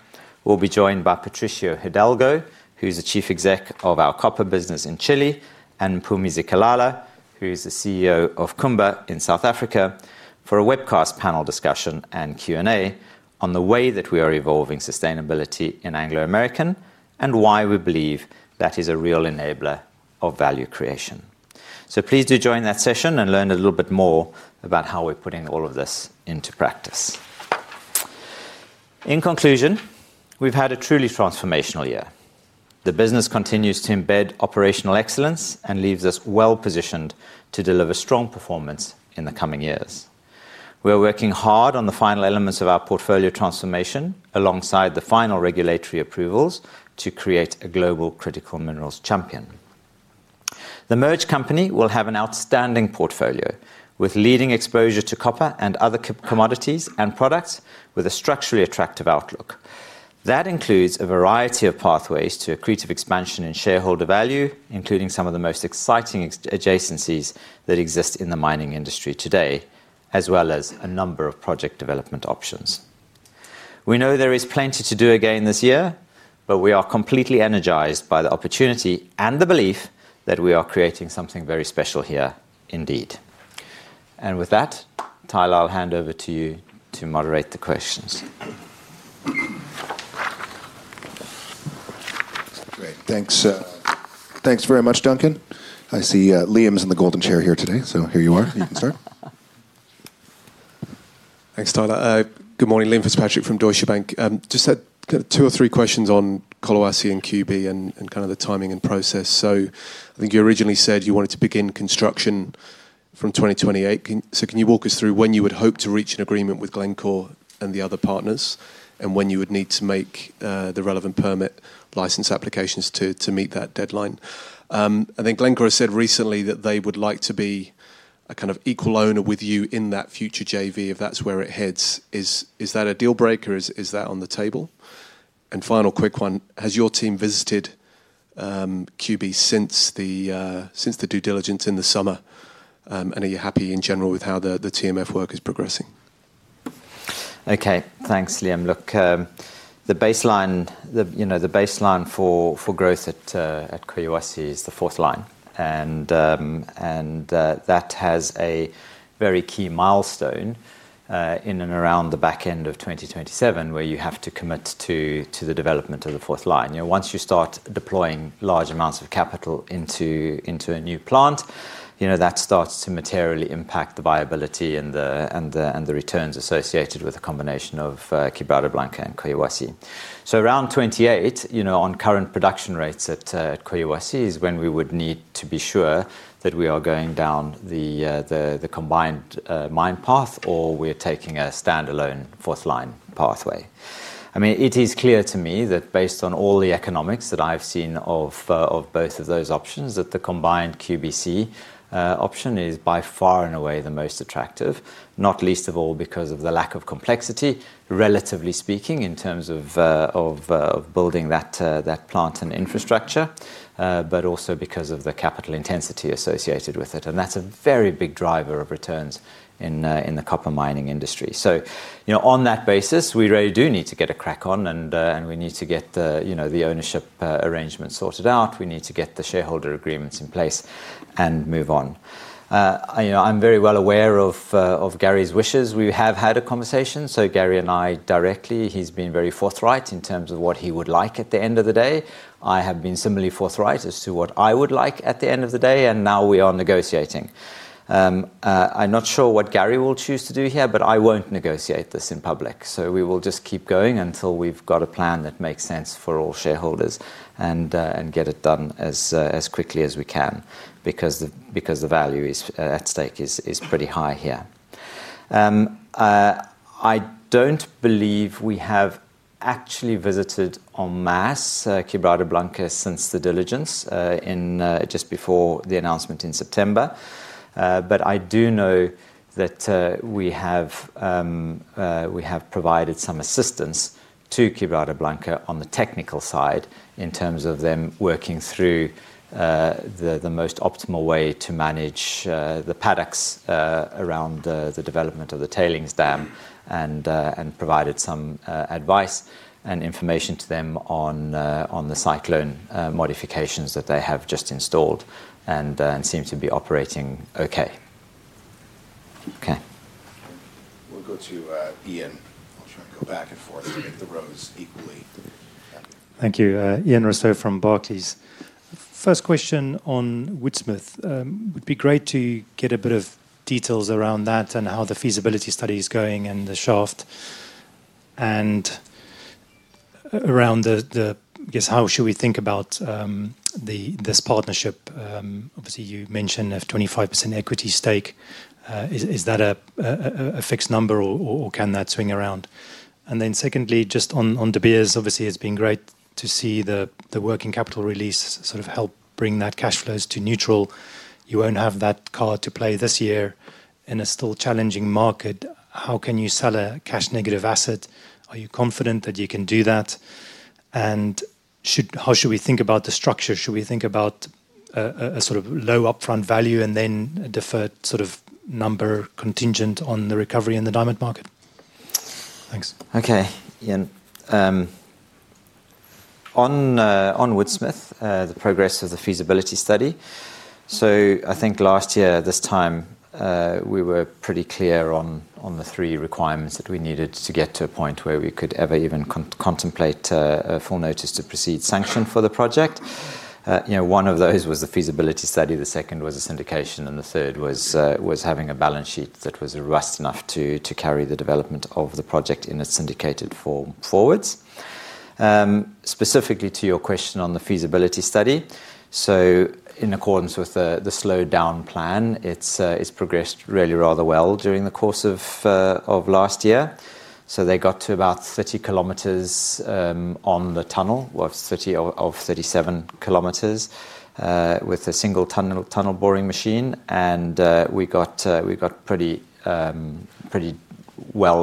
will be joined by Patricio Hidalgo, who is the Chief Exec of our copper business in Chile, and Mpumi Zikalala, who is the CEO of Kumba in South Africa, for a webcast panel discussion and Q&A on the way that we are evolving sustainability in Anglo American and why we believe that is a real enabler of value creation. Please do join that session and learn a little bit more about how we're putting all of this into practice. In conclusion, we've had a truly transformational year. The business continues to embed operational excellence and leaves us well positioned to deliver strong performance in the coming years. We are working hard on the final elements of our portfolio transformation, alongside the final regulatory approvals to create a global critical minerals champion. The merged company will have an outstanding portfolio, with leading exposure to copper and other commodities and products, with a structurally attractive outlook. That includes a variety of pathways to accretive expansion in shareholder value, including some of the most exciting adjacencies that exist in the mining industry today, as well as a number of project development options. We know there is plenty to do again this year, but we are completely energized by the opportunity and the belief that we are creating something very special here indeed. With that, Tyler, I'll hand over to you to moderate the questions. Great. Thanks, thanks very much, Duncan. I see, Liam's in the golden chair here today, so here you are. You can start. Thanks, Tyler. Good morning. Liam Fitzpatrick from Deutsche Bank. Just had two or three questions on Collahuasi and QB and kind of the timing and process. So I think you originally said you wanted to begin construction from 2028. So can you walk us through when you would hope to reach an agreement with Glencore and the other partners, and when you would need to make the relevant permit license applications to meet that deadline? I think Glencore has said recently that they would like to be a kind of equal owner with you in that future JV, if that's where it heads. Is that a deal breaker? Is that on the table? And final quick one: Has your team visited QB since the due diligence in the summer? And are you happy in general with how the TMF work is progressing? Okay, thanks, Liam. Look, the baseline, you know, the baseline for growth at Collahuasi is the fourth line, and that has a very key milestone in and around the back end of 2027, where you have to commit to the development of the fourth line. You know, once you start deploying large amounts of capital into a new plant, you know, that starts to materially impact the viability and the returns associated with a combination of Quebrada Blanca and Collahuasi. So around 2028, you know, on current production rates at Collahuasi is when we would need to be sure that we are going down the combined mine path or we're taking a standalone fourth line pathway. I mean, it is clear to me that based on all the economics that I've seen of both of those options, that the combined QBC option is by far and away the most attractive, not least of all, because of the lack of complexity, relatively speaking, in terms of building that plant and infrastructure, but also because of the capital intensity associated with it. And that's a very big driver of returns in the copper mining industry. So, you know, on that basis, we really do need to get a crack on, and we need to get the ownership arrangement sorted out. We need to get the shareholder agreements in place and move on. You know, I'm very well aware of Gary's wishes. We have had a conversation, so Gary and I, directly, he's been very forthright in terms of what he would like at the end of the day. I have been similarly forthright as to what I would like at the end of the day, and now we are negotiating. I'm not sure what Gary will choose to do here, but I won't negotiate this in public. So we will just keep going until we've got a plan that makes sense for all shareholders and, and get it done as, as quickly as we can because the, because the value is at stake is pretty high here. I don't believe we have actually visited en masse Quebrada Blanca since the diligence, in just before the announcement in September. But I do know that we have provided some assistance to Quebrada Blanca on the technical side in terms of them working through the most optimal way to manage the paddocks around the development of the tailings dam and provided some advice and information to them on the cyclone modifications that they have just installed and seem to be operating okay. Okay. We'll go to Ian. I'll try and go back and forth to hit the rows equally. Thank you. Ian Rossouw from Barclays. First question on Woodsmith, it would be great to get a bit of details around that and how the feasibility study is going and the shaft and around the, the... I guess, how should we think about this partnership? Obviously, you mentioned a 25% equity stake. Is that a fixed number or can that swing around? And then secondly, just on De Beers, obviously, it's been great to see the working capital release sort of help bring that cash flows to neutral. You won't have that card to play this year in a still challenging market. How can you sell a cash-negative asset? Are you confident that you can do that? And how should we think about the structure? Should we think about a sort of low upfront value and then a deferred sort of number contingent on the recovery in the diamond market? Thanks. Okay, Ian. On Woodsmith, the progress of the feasibility study. I think last year, this time, we were pretty clear on the three requirements that we needed to get to a point where we could ever even contemplate a full notice to proceed sanction for the project. You know, one of those was the feasibility study, the second was a syndication, and the third was having a balance sheet that was robust enough to carry the development of the project in a syndicated form forwards. Specifically to your question on the feasibility study. In accordance with the slow down plan, it's progressed really rather well during the course of last year. So they got to about 30 km on the tunnel, well, 30 km of 37 km with a single tunnel boring machine, and we got pretty well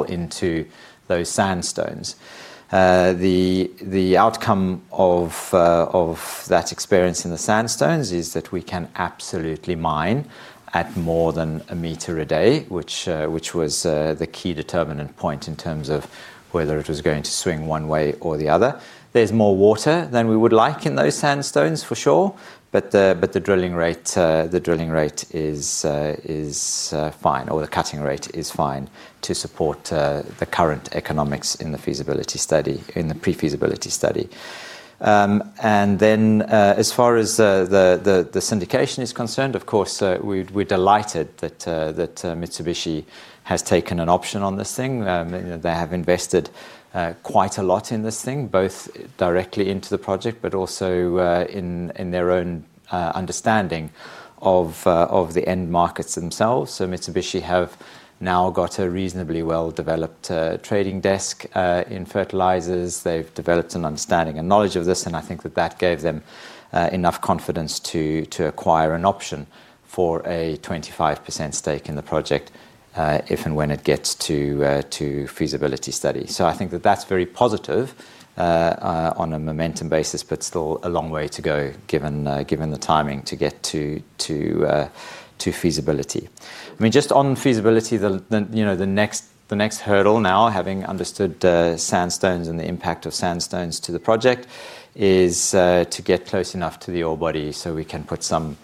into those sandstones. The outcome of that experience in the sandstones is that we can absolutely mine at more than a meter a day, which was the key determinant point in terms of whether it was going to swing one way or the other. There's more water than we would like in those sandstones, for sure, but the drilling rate is fine, or the cutting rate is fine to support the current economics in the feasibility study, in the pre-feasibility study. As far as the syndication is concerned, of course, we're delighted that Mitsubishi has taken an option on this thing. You know, they have invested quite a lot in this thing, both directly into the project but also in their own understanding of the end markets themselves. So Mitsubishi have now got a reasonably well-developed trading desk in fertilizers. They've developed an understanding and knowledge of this, and I think that gave them enough confidence to acquire an option for a 25% stake in the project, if and when it gets to feasibility study. So I think that that's very positive on a momentum basis, but still a long way to go, given the timing to get to feasibility. I mean, just on feasibility, you know, the next hurdle now, having understood sandstones and the impact of sandstones to the project, is to get close enough to the ore body so we can put some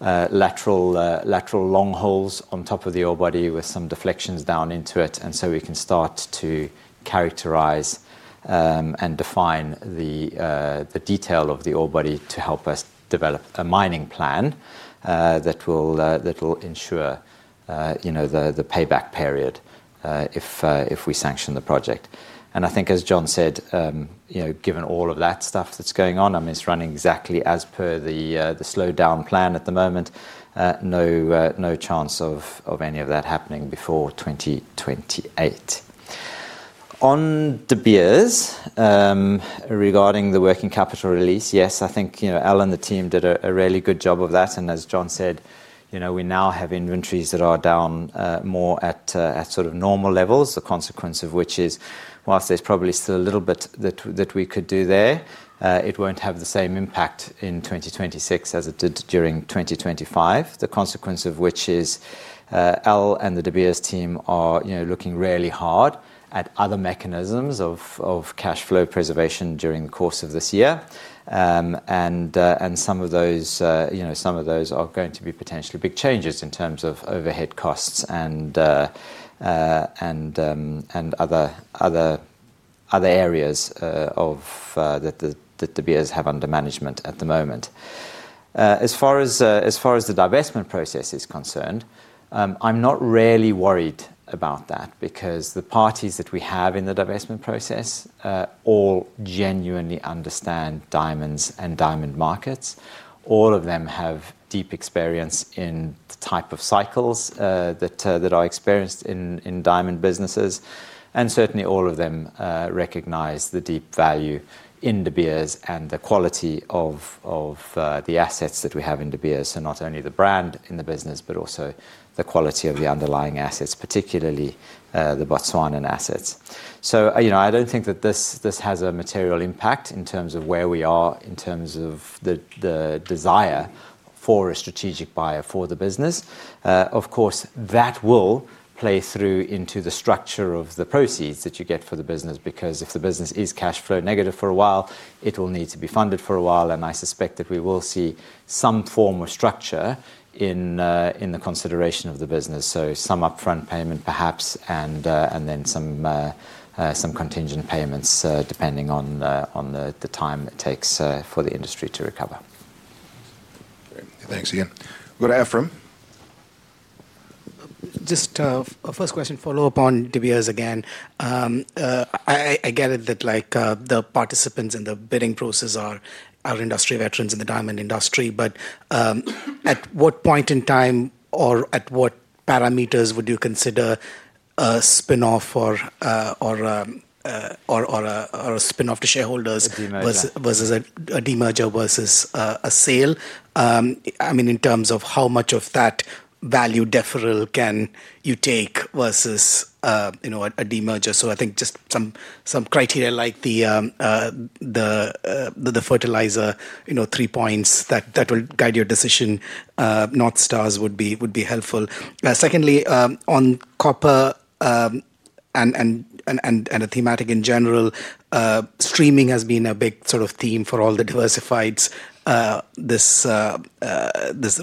lateral long holes on top of the ore body with some deflections down into it. And so we can start to characterize and define the detail of the ore body to help us develop a mining plan that will ensure, you know, the payback period if we sanction the project. I think, as John said, you know, given all of that stuff that's going on, I mean, it's running exactly as per the slowdown plan at the moment. No chance of any of that happening before 2028. On De Beers, regarding the working capital release, yes, I think, you know, Al and the team did a really good job of that, and as John said, you know, we now have inventories that are down more at at sort of normal levels, the consequence of which is, whilst there's probably still a little bit that we could do there, it won't have the same impact in 2026 as it did during 2025. The consequence of which is, Al and the De Beers team are, you know, looking really hard at other mechanisms of cash flow preservation during the course of this year. And some of those, you know, some of those are going to be potentially big changes in terms of overhead costs and other areas of that De Beers have under management at the moment. As far as the divestment process is concerned, I'm not really worried about that because the parties that we have in the divestment process all genuinely understand diamonds and diamond markets. All of them have deep experience in the type of cycles, that, that are experienced in, in diamond businesses, and certainly all of them, recognize the deep value in De Beers and the quality of, of, the assets that we have in De Beers, so not only the brand in the business, but also the quality of the underlying assets, particularly, the Botswana assets. So, you know, I don't think that this, this has a material impact in terms of where we are, in terms of the, the desire for a strategic buyer for the business. Of course, that will play through into the structure of the proceeds that you get for the business, because if the business is cash flow negative for a while, it will need to be funded for a while, and I suspect that we will see some form of structure in the consideration of the business. So some upfront payment perhaps, and then some contingent payments, depending on the time it takes for the industry to recover. Thanks again. Go to Ephrem. Just, a first question, follow up on De Beers again. I get it that like, the participants in the bidding process are industry veterans in the diamond industry, but, at what point in time or at what parameters would you consider a spin-off or a spin-off to shareholders. A demerger. Versus a demerger versus a sale? I mean, in terms of how much of that value deferral can you take versus, you know, a demerger. I think just some criteria like the, the fertilizer, you know, three points that will guide your decision, North Stars would be helpful. Secondly, on copper, and a thematic in general, streaming has been a big sort of theme for all the diversifies this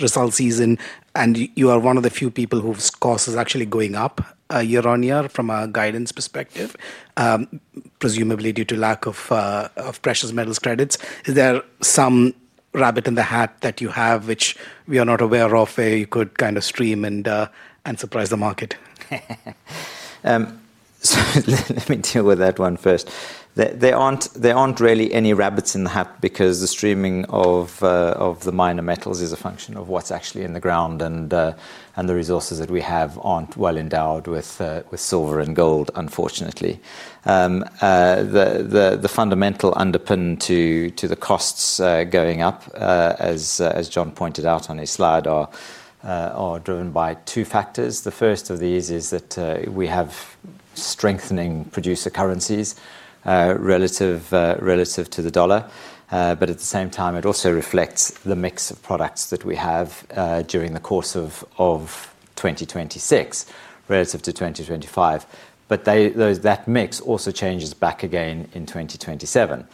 result season, and you are one of the few people whose cost is actually going up year-on-year from a guidance perspective, presumably due to lack of precious metals credits, is there some rabbit in the hat that you have, which we are not aware of, where you could kind of stream and surprise the market? Let me deal with that one first. There aren't really any rabbits in the hat because the streaming of the minor metals is a function of what's actually in the ground, and the resources that we have aren't well endowed with silver and gold, unfortunately. The fundamental underpin to the costs going up, as John pointed out on his slide, are driven by two factors. The first of these is that we have strengthening producer currencies relative to the U.S. dollar. At the same time, it also reflects the mix of products that we have during the course of 2026 relative to 2025. That mix also changes back again in 2027.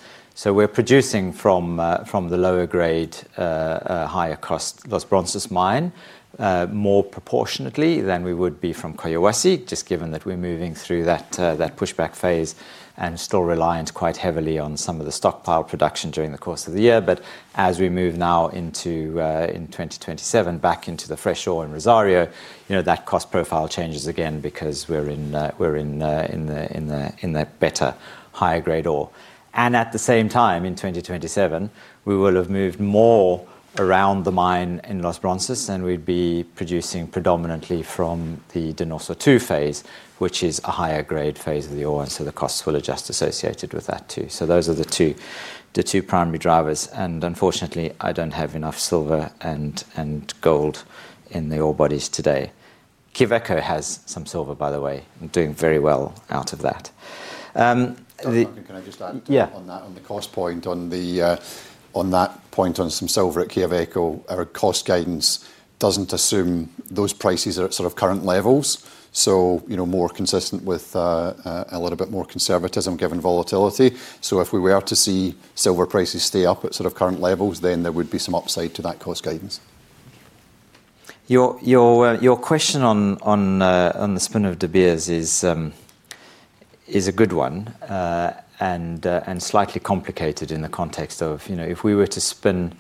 We're producing from the lower grade, higher cost Los Bronces mine more proportionately than we would be from Collahuasi, just given that we're moving through that pushback phase and still reliant quite heavily on some of the stockpile production during the course of the year. As we move now into 2027, back into the fresh ore in Rosario, you know, that cost profile changes again because we're in the better, higher grade ore. At the same time, in 2027, we will have moved more around the mine in Los Bronces, and we'd be producing predominantly from the Donoso 2 phase, which is a higher grade phase of the ore, and so the costs will adjust associated with that too. So those are the two, the two primary drivers, and unfortunately, I don't have enough silver and, and gold in the ore bodies today. Quellaveco has some silver, by the way, and doing very well out of that. Can I just add? Yeah. On that, on the cost point, on that point, on some silver at Quellaveco, our cost guidance doesn't assume those prices are at sort of current levels. You know, more consistent with a little bit more conservatism, given volatility. If we were to see silver prices stay up at sort of current levels, then there would be some upside to that cost guidance. Your question on the spin of De Beers is a good one, and slightly complicated in the context of, you know, if we were to spin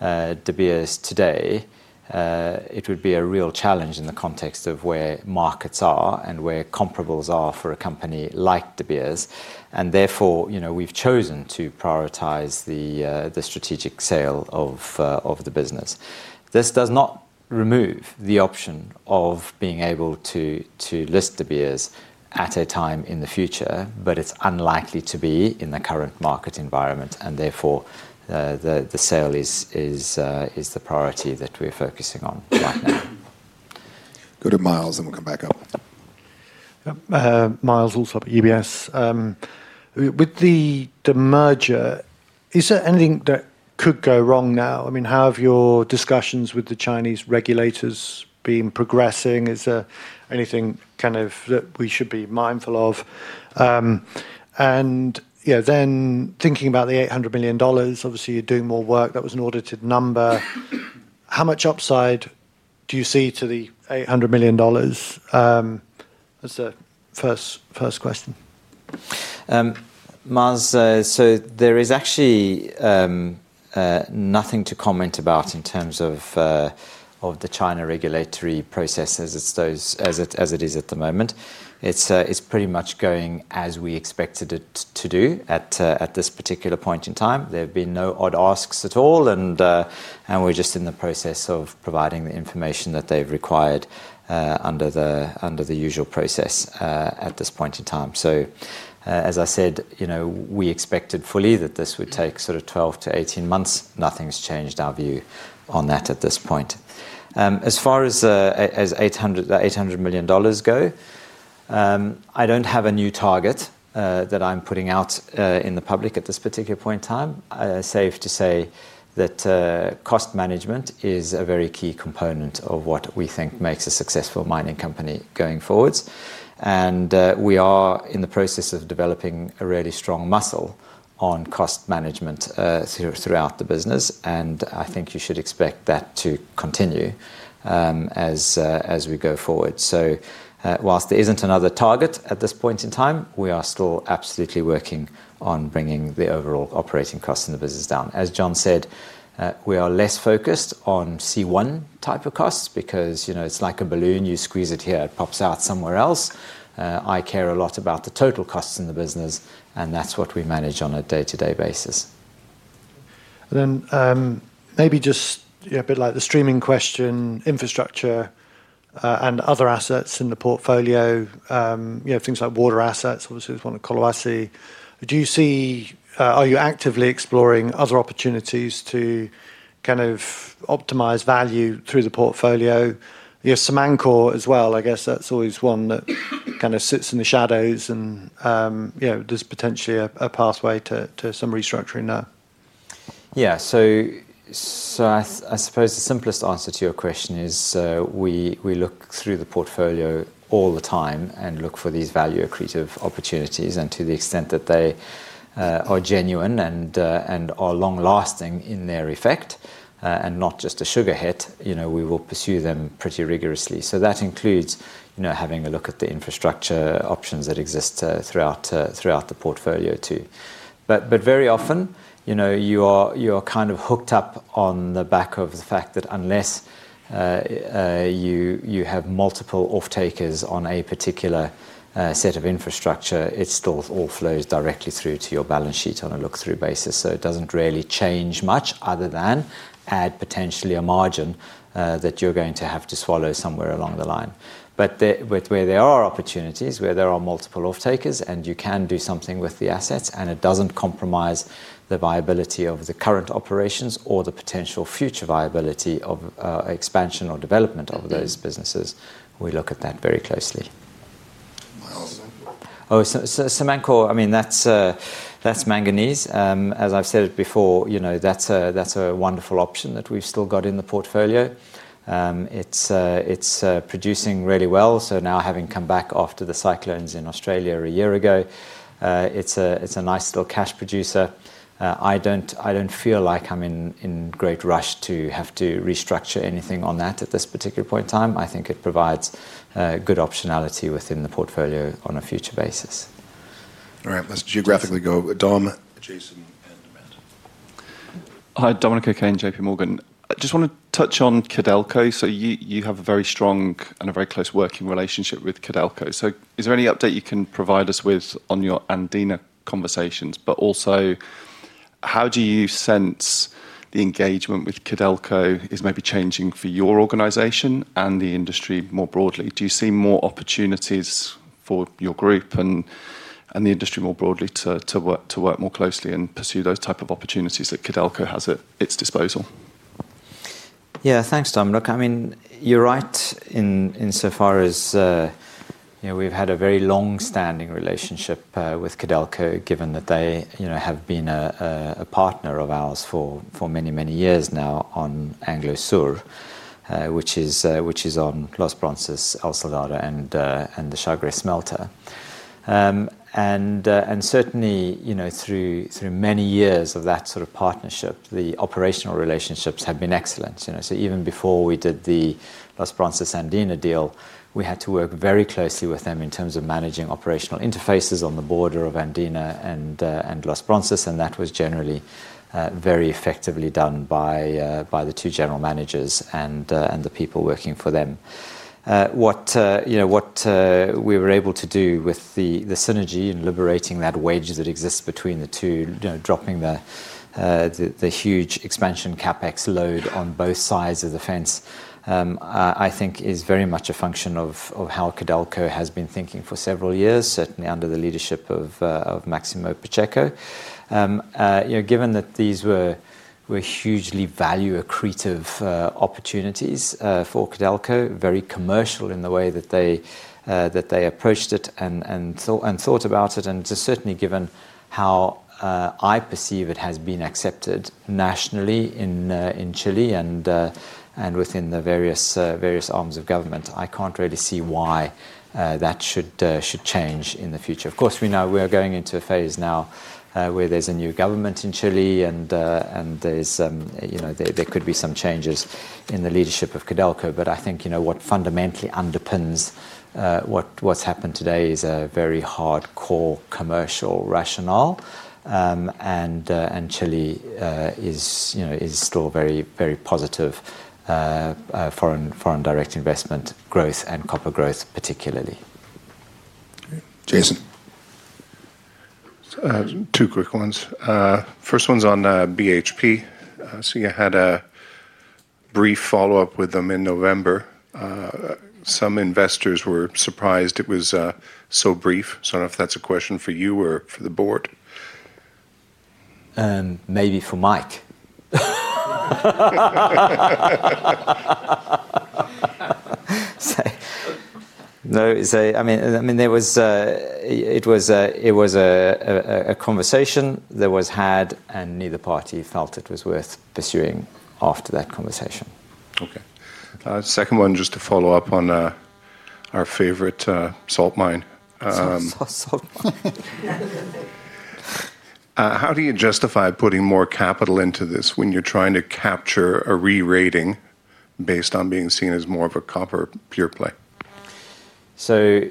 De Beers today, it would be a real challenge in the context of where markets are and where comparables are for a company like De Beers. And therefore, you know, we've chosen to prioritize the strategic sale of the business. This does not remove the option of being able to list De Beers at a time in the future, but it's unlikely to be in the current market environment, and therefore, the sale is the priority that we're focusing on right now. Go to Myles, and we'll come back up. Yep, Myles Allsop at UBS. With the merger, is there anything that could go wrong now? I mean, how have your discussions with the Chinese regulators been progressing? Is there anything, kind of, that we should be mindful of? And, you know, then thinking about the $800 million, obviously, you're doing more work. That was an audited number. How much upside do you see to the $800 million? That's the first question. Myles, there is actually nothing to comment about in terms of the China regulatory processes as it is at the moment. It's pretty much going as we expected it to do at this particular point in time. There have been no odd asks at all, and we're just in the process of providing the information that they've required under the usual process at this point in time. As I said, you know, we expected fully that this would take sort of 12-18 months. Nothing's changed our view on that at this point. As far as the $800 million go, I don't have a new target that I'm putting out in the public at this particular point in time. Safe to say that cost management is a very key component of what we think makes a successful mining company going forward. And we are in the process of developing a really strong muscle on cost management throughout the business, and I think you should expect that to continue as we go forward. So while there isn't another target at this point in time, we are still absolutely working on bringing the overall operating costs in the business down. As John said, we are less focused on C1 type of costs because, you know, it's like a balloon. You squeeze it here, it pops out somewhere else. I care a lot about the total costs in the business, and that's what we manage on a day-to-day basis. Then, maybe just, yeah, a bit like the streaming question, infrastructure, and other assets in the portfolio, you know, things like water assets, obviously, with one of Collahuasi. Do you see, are you actively exploring other opportunities to, kind of, optimize value through the portfolio? You have Samancor as well. I guess that's always one that kind of sits in the shadows and, you know, there's potentially a pathway to some restructuring now. Yeah. So, I suppose the simplest answer to your question is, we look through the portfolio all the time and look for these value accretive opportunities, and to the extent that they are genuine and are long-lasting in their effect, and not just a sugar hit, you know, we will pursue them pretty rigorously. So that includes, you know, having a look at the infrastructure options that exist throughout the portfolio, too. But very often, you know, you are kind of hooked up on the back of the fact that unless you have multiple off-takers on a particular set of infrastructure, it still all flows directly through to your balance sheet on a look-through basis. So it doesn't really change much other than add potentially a margin that you're going to have to swallow somewhere along the line. But with where there are opportunities, where there are multiple off-takers, and you can do something with the assets, and it doesn't compromise the viability of the current operations or the potential future viability of expansion or development of those businesses, we look at that very closely. Myles. Oh, so Samancor, I mean, that's, that's manganese. As I've said it before, you know, that's a, that's a wonderful option that we've still got in the portfolio. It's, it's, producing really well. So now, having come back after the cyclones in Australia a year ago, it's a, it's a nice little cash producer. I don't, I don't feel like I'm in, in great rush to have to restructure anything on that at this particular point in time. I think it provides, good optionality within the portfolio on a future basis. All right, let's geographically go. Dom, Jason, and Matt. Hi, Dominic O'Kane, JPMorgan. I just wanna touch on Codelco. You have a very strong and a very close working relationship with Codelco. Is there any update you can provide us with on your Andina conversations? Also, how do you sense the engagement with Codelco is maybe changing for your organization and the industry more broadly? Do you see more opportunities for your group and the industry more broadly to work more closely and pursue those type of opportunities that Codelco has at its disposal? Yeah, thanks, Tom. Look, I mean, you're right in so far as, you know, we've had a very long-standing relationship with Codelco, given that they, you know, have been a partner of ours for many, many years now on Anglo Sur, which is on Los Bronces, El Soldado, and the Chagres smelter. And certainly, you know, through many years of that sort of partnership, the operational relationships have been excellent, you know. So even before we did the Los Bronces Andina deal, we had to work very closely with them in terms of managing operational interfaces on the border of Andina and Los Bronces, and that was generally very effectively done by the two general managers and the people working for them. What, you know, what we were able to do with the synergy in liberating that wage that exists between the two, you know, dropping the huge expansion CapEx load on both sides of the fence, I think is very much a function of how Codelco has been thinking for several years, certainly under the leadership of Máximo Pacheco. You know, given that these were hugely value accretive opportunities for Codelco, very commercial in the way that they approached it and thought about it, and just certainly given how I perceive it has been accepted nationally in Chile and within the various arms of Government, I can't really see why that should change in the future. Of course, we know we are going into a phase now, where there's a new Government in Chile and, and there's, you know, there could be some changes in the leadership of Codelco. But I think, you know, what fundamentally underpins what's happened today is a very hardcore commercial rationale. And Chile is, you know, still very, very positive, foreign direct investment growth and copper growth, particularly. Jason. Two quick ones. First one's on BHP. So you had a brief follow-up with them in November. Some investors were surprised it was so brief. So I don't know if that's a question for you or for the Board. Maybe for Mike. So no, so I mean, I mean, there was, it was a conversation that was had, and neither party felt it was worth pursuing after that conversation. Okay. Second one, just to follow up on our favorite salt mine. Salt mine. How do you justify putting more capital into this when you're trying to capture a re-rating based on being seen as more of a copper pure play? So,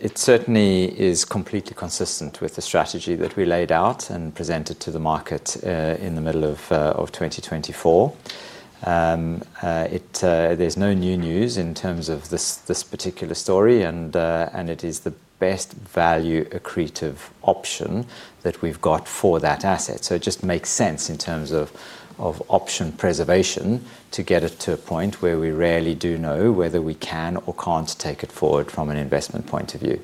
it certainly is completely consistent with the strategy that we laid out and presented to the market, in the middle of 2024. There's no new news in terms of this particular story, and it is the best value accretive option that we've got for that asset. So it just makes sense in terms of option preservation to get it to a point where we really do know whether we can or can't take it forward from an investment point of view.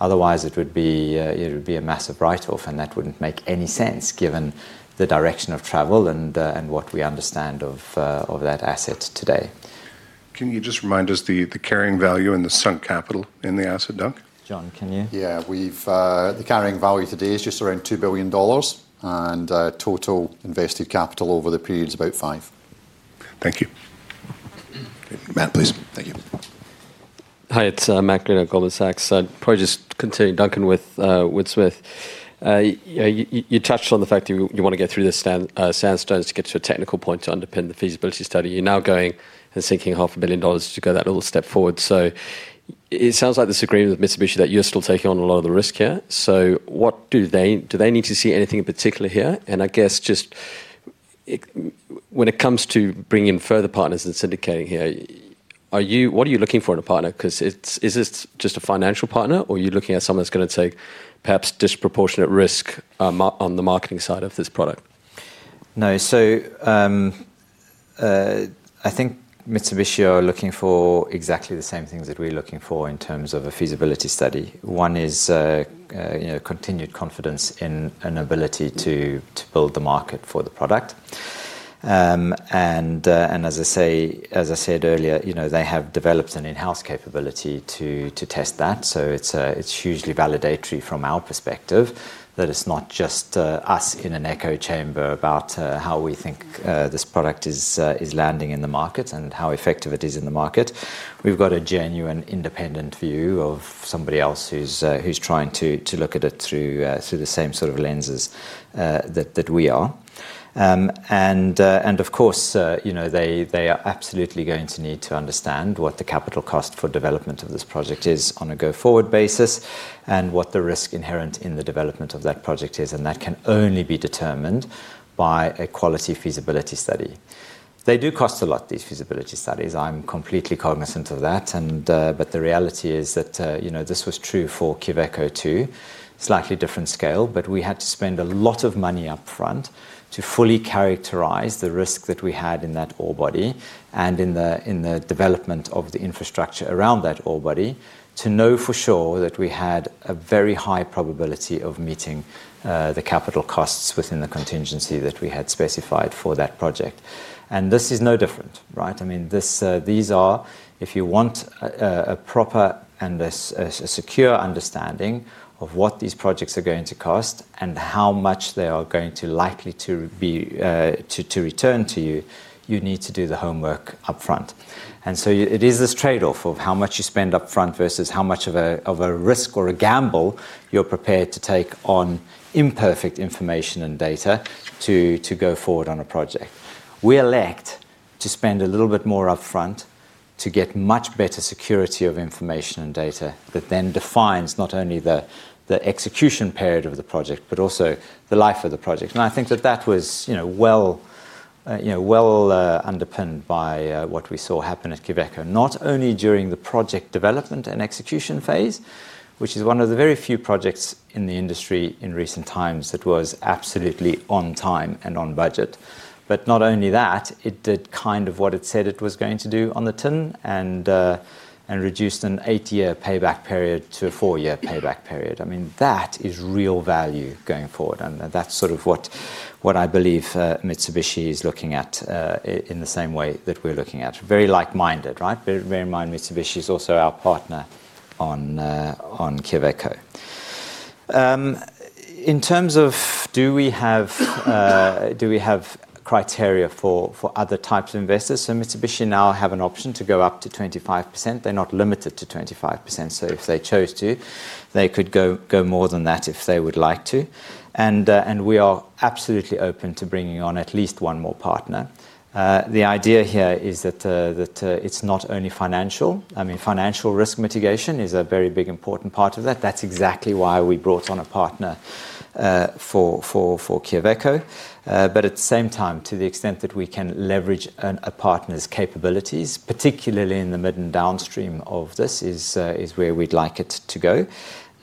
Otherwise, it would be a massive write-off, and that wouldn't make any sense, given the direction of travel and what we understand of that asset today. Can you just remind us the carrying value and the sunk capital in the asset, Duncan? John, can you? Yeah. We've the carrying value today is just around $2 billion, and total invested capital over the period is about $5 billion. Thank you. Matt, please. Thank you. Hi, it's Matt Greene at Goldman Sachs. So probably just continuing, Duncan, with Woodsmith. You touched on the fact you wanna get through this sandstone to get to a technical point to underpin the feasibility study. You're now going and seeking $500 million to go that little step forward. So it sounds like this agreement with Mitsubishi, that you're still taking on a lot of the risk here. So what do they need to see anything in particular here? And I guess just, when it comes to bringing further partners and syndicating here, what are you looking for in a partner? 'Cause it's this just a financial partner, or are you looking at someone that's gonna take perhaps disproportionate risk on the marketing side of this product? No. So, I think Mitsubishi are looking for exactly the same things that we're looking for in terms of a feasibility study. One is, you know, continued confidence in an ability to build the market for the product. And as I say, as I said earlier, you know, they have developed an in-house capability to test that. So it's hugely validatory from our perspective that it's not just us in an echo chamber about how we think this product is landing in the market and how effective it is in the market. We've got a genuine, independent view of somebody else who's trying to look at it through the same sort of lenses that we are. Of course, you know, they are absolutely going to need to understand what the capital cost for development of this project is on a go-forward basis, and what the risk inherent in the development of that project is, and that can only be determined by a quality feasibility study. They do cost a lot, these feasibility studies. I'm completely cognizant of that, and, but the reality is that, you know, this was true for Quellaveco, too. Slightly different scale, but we had to spend a lot of money upfront to fully characterize the risk that we had in that ore body and in the development of the infrastructure around that ore body, to know for sure that we had a very high probability of meeting the capital costs within the contingency that we had specified for that project. And this is no different, right? I mean, this, these are, if you want a proper and a secure understanding of what these projects are going to cost and how much they are going to likely to be, to, to return to you, you need to do the homework upfront. And so it is this trade-off of how much you spend upfront versus how much of a risk or a gamble you're prepared to take on imperfect information and data to go forward on a project. We elect to spend a little bit more upfront to get much better security of information and data that then defines not only the execution period of the project, but also the life of the project. And I think that that was, you know, well, you know, well, underpinned by what we saw happen at Quellaveco, not only during the project development and execution phase, which is one of the very few projects in the industry in recent times that was absolutely on time and on budget. But not only that, it did kind of what it said it was going to do on the tin and, and reduced an eight-year payback period to a four-year payback period. I mean, that is real value going forward, and that's sort of what, what I believe Mitsubishi is looking at, in the same way that we're looking at. Very like-minded, right? Very, very mind-- Mitsubishi is also our partner on, on Quellaveco. In terms of do we have, do we have criteria for, for other types of investors? So Mitsubishi now have an option to go up to 25%. They're not limited to 25%, so if they chose to, they could go more than that if they would like to. And we are absolutely open to bringing on at least one more partner. The idea here is that it's not only financial. I mean, financial risk mitigation is a very big, important part of that. That's exactly why we brought on a partner for Quellaveco. But at the same time, to the extent that we can leverage a partner's capabilities, particularly in the mid and downstream of this, is where we'd like it to go.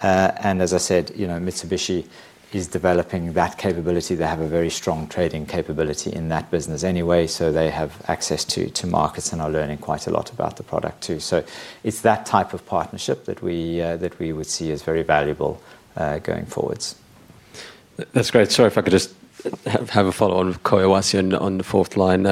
And as I said, you know, Mitsubishi is developing that capability. They have a very strong trading capability in that business anyway, so they have access to markets and are learning quite a lot about the product, too. So it's that type of partnership that we would see as very valuable, going forwards. That's great. Sorry if I could just have a follow-on with Collahuasi on the fourth line.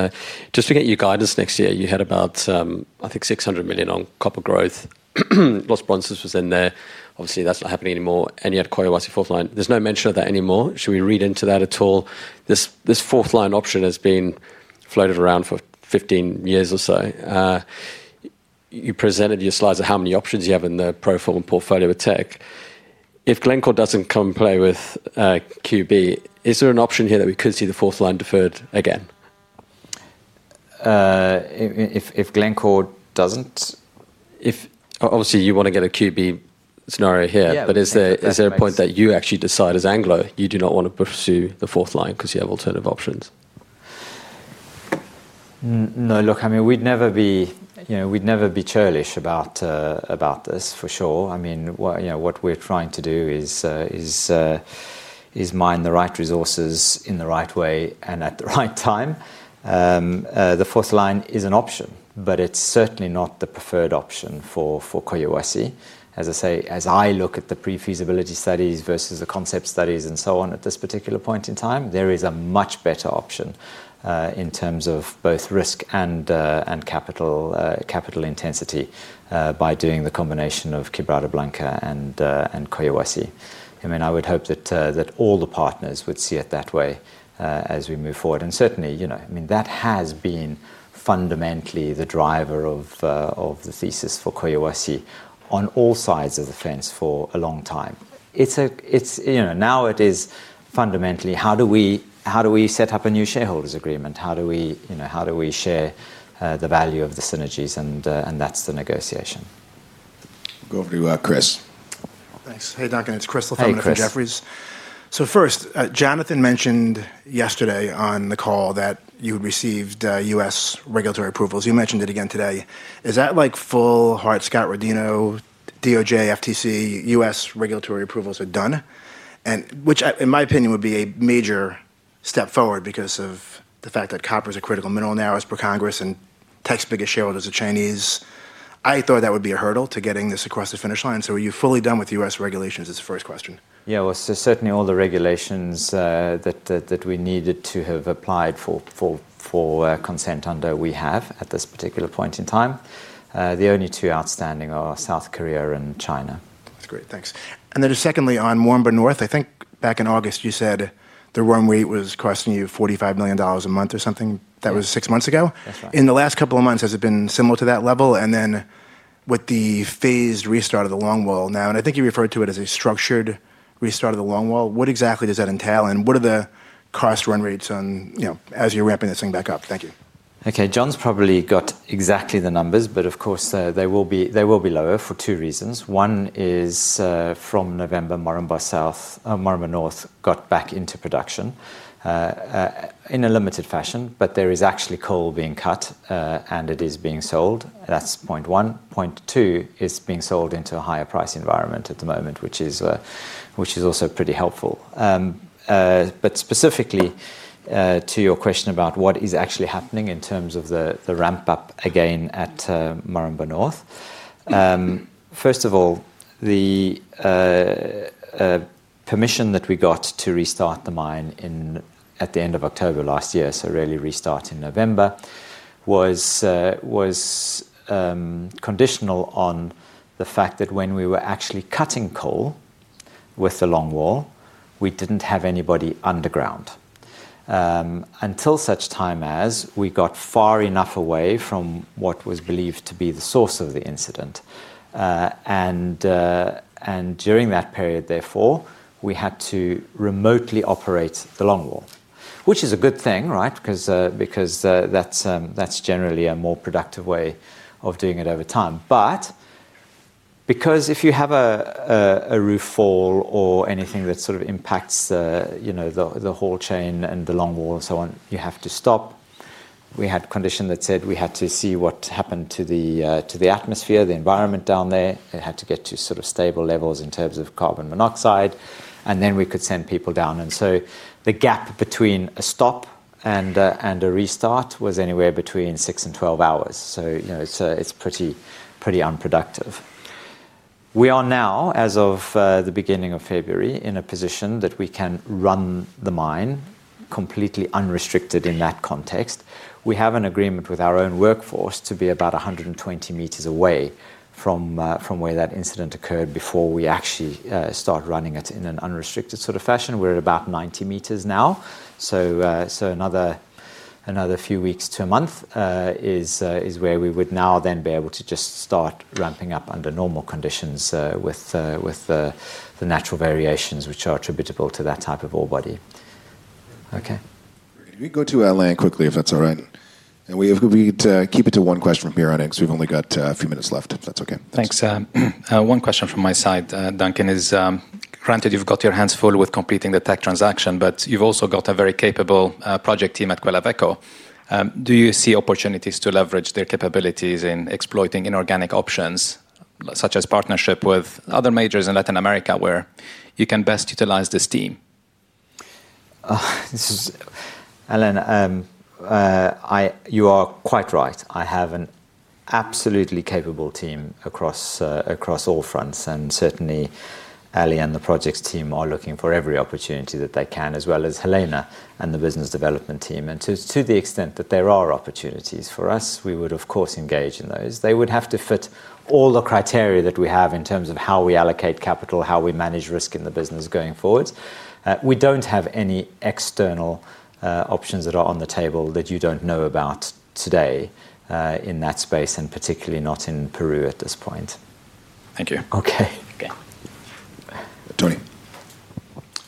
Just to get your guidance, next year, you had about, I think $600 million on copper growth. Los Bronces was in there. Obviously, that's not happening anymore, and you had Collahuasi fourth line. There's no mention of that anymore. Should we read into that at all? This fourth line option has been floated around for 15 years or so. You presented your slides of how many options you have in the pro forma portfolio of Teck. If Glencore doesn't come play with QB, is there an option here that we could see the fourth line deferred again? If Glencore doesn't? Obviously, you wanna get a QB scenario here. Yeah... But is there, is there a point that you actually decide as Anglo, you do not want to pursue the fourth line 'cause you have alternative options? No, look, I mean, we'd never be, you know, we'd never be churlish about about this, for sure. I mean, what, you know, what we're trying to do is mine the right resources in the right way and at the right time. The fourth line is an option, but it's certainly not the preferred option for Collahuasi. As I say, as I look at the pre-feasibility studies versus the concept studies and so on at this particular point in time, there is a much better option in terms of both risk and capital intensity by doing the combination of Quebrada Blanca and Collahuasi. I mean, I would hope that all the partners would see it that way as we move forward. And certainly, you know, I mean, that has been fundamentally the driver of the thesis for Collahuasi on all sides of the fence for a long time. It's, you know, now it is fundamentally how do we, how do we set up a new shareholders agreement? How do we, you know, how do we share the value of the synergies? And, and that's the negotiation. Go over to Chris. Thanks. Hey, Duncan, it's Christopher- Hey, Chris From Jefferies. So first, Jonathan mentioned yesterday on the call that you received, U.S. regulatory approvals. You mentioned it again today. Is that like full Hart-Scott-Rodino, DOJ, FTC, U.S. regulatory approvals are done? And which, in my opinion, would be a major step forward because of the fact that copper is a critical mineral now, as per Congress, and Tecks biggest shareholder is a Chinese. I thought that would be a hurdle to getting this across the finish line. So are you fully done with the U.S. regulations? It's the first question. Yeah, well, so certainly all the regulations that we needed to have applied for consent under, we have at this particular point in time. The only two outstanding are South Korea and China. That's great. Thanks. Secondly, on Moranbah North, I think back in August, you said the warm wait was costing you $45 million a month or something. Yeah. That was six months ago. That's right. In the last couple of months, has it been similar to that level? And then with the phased restart of the longwall now, and I think you referred to it as a structured restart of the longwall, what exactly does that entail, and what are the cost run rates on, you know, as you're ramping this thing back up? Thank you. Okay, John's probably got exactly the numbers, but of course, they will be lower for two reasons. One is, from November, Moranbah South, Moranbah North got back into production, in a limited fashion, but there is actually coal being cut, and it is being sold. That's point one. Point two, it's being sold into a higher price environment at the moment, which is also pretty helpful. But specifically, to your question about what is actually happening in terms of the ramp up again at, Moranbah North. First of all, the permission that we got to restart the mine in at the end of October last year, so really restart in November, was conditional on the fact that when we were actually cutting coal with the longwall, we didn't have anybody underground. Until such time as we got far enough away from what was believed to be the source of the incident. And during that period, therefore, we had to remotely operate the longwall. Which is a good thing, right? 'Cause because that's generally a more productive way of doing it over time. But because if you have a roof fall or anything that sort of impacts, you know, the whole chain and the longwall and so on, you have to stop. We had a condition that said we had to see what happened to the, to the atmosphere, the environment down there. It had to get to sort of stable levels in terms of carbon monoxide, and then we could send people down. And so the gap between a stop and a, and a restart was anywhere between six and 12 hours. So, you know, it's, it's pretty, pretty unproductive. We are now, as of, the beginning of February, in a position that we can run the mine completely unrestricted in that context. We have an agreement with our own workforce to be about 120 m away from, from where that incident occurred before we actually, start running it in an unrestricted sort of fashion. We're at about 90 m now, so another few weeks to a month is where we would now then be able to just start ramping up under normal conditions, with the natural variations which are attributable to that type of ore body. Okay. We go to Alain quickly, if that's all right. We need to keep it to one question from here on in, 'cause we've only got a few minutes left, if that's okay. Thanks. One question from my side, Duncan, is, granted you've got your hands full with completing the Teck transaction, but you've also got a very capable, project team at Quellaveco. Do you see opportunities to leverage their capabilities in exploiting inorganic options, such as partnership with other majors in Latin America, where you can best utilize this team? Alain, you are quite right. I have an absolutely capable team across all fronts, and certainly, Ali and the projects team are looking for every opportunity that they can, as well as Helena and the business development team. To the extent that there are opportunities for us, we would, of course, engage in those. They would have to fit all the criteria that we have in terms of how we allocate capital, how we manage risk in the business going forward. We don't have any external options that are on the table that you don't know about today, in that space, and particularly not in Peru at this point. Thank you. Okay. Tony.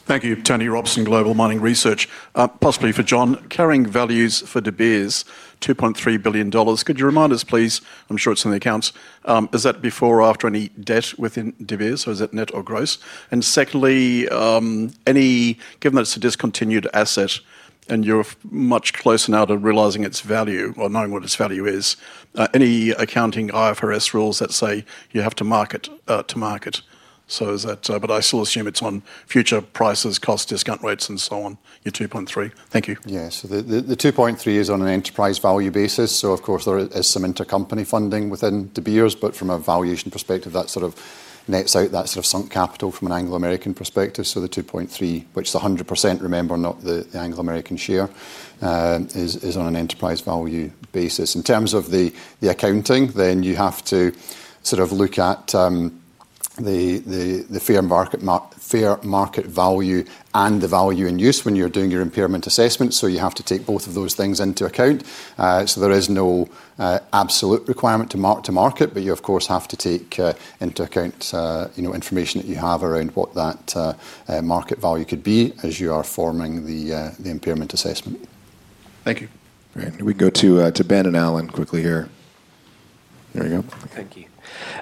Thank you. Tony Robson, Global Mining Research. Possibly for John. Carrying values for De Beers, $2.3 billion. Could you remind us, please? I'm sure it's in the accounts. Is that before or after any debt within De Beers, or is it net or gross? And secondly, given that it's a discontinued asset and you're much closer now to realizing its value or knowing what its value is, any accounting IFRS rules that say you have to mark to market? So is that, but I still assume it's on future prices, cost, discount rates, and so on, your $2.3 billion. Thank you. Yes. The $2.3 billion is on an enterprise value basis, so of course, there is some intercompany funding within De Beers, but from a valuation perspective, that sort of nets out that sort of sunk capital from an Anglo American perspective. So the $2.3 billion, which is 100%, remember, not the Anglo American share, is on an enterprise value basis. In terms of the accounting, then you have to sort of look at the fair market value and the value in use when you're doing your impairment assessment. So you have to take both of those things into account. So there is no absolute requirement to mark to market, but you, of course, have to take into account, you know, information that you have around what that market value could be as you are forming the impairment assessment. Thank you. Great. We go to Ben and Alain quickly here. There you go. Thank you.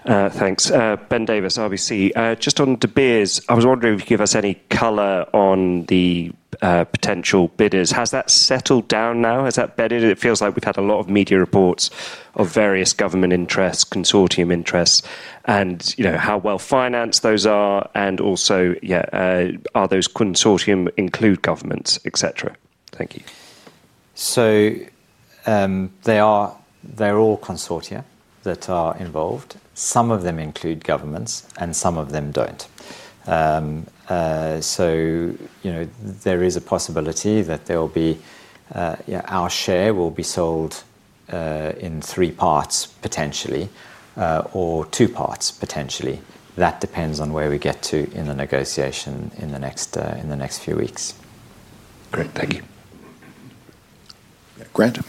Thanks. Ben Davis, RBC. Just on De Beers, I was wondering if you could give us any color on the potential bidders. Has that settled down now? Has that bedded? It feels like we've had a lot of media reports of various Government interests, consortium interests, and, you know, how well-financed those are, and also, yeah, are those consortium include Governments, et cetera? Thank you. They are all consortia that are involved. Some of them include Governments, and some of them don't. You know, there is a possibility that there will be, yeah, our share will be sold in three parts, potentially, or two parts, potentially. That depends on where we get to in the negotiation in the next few weeks. Great. Thank you. Patrick?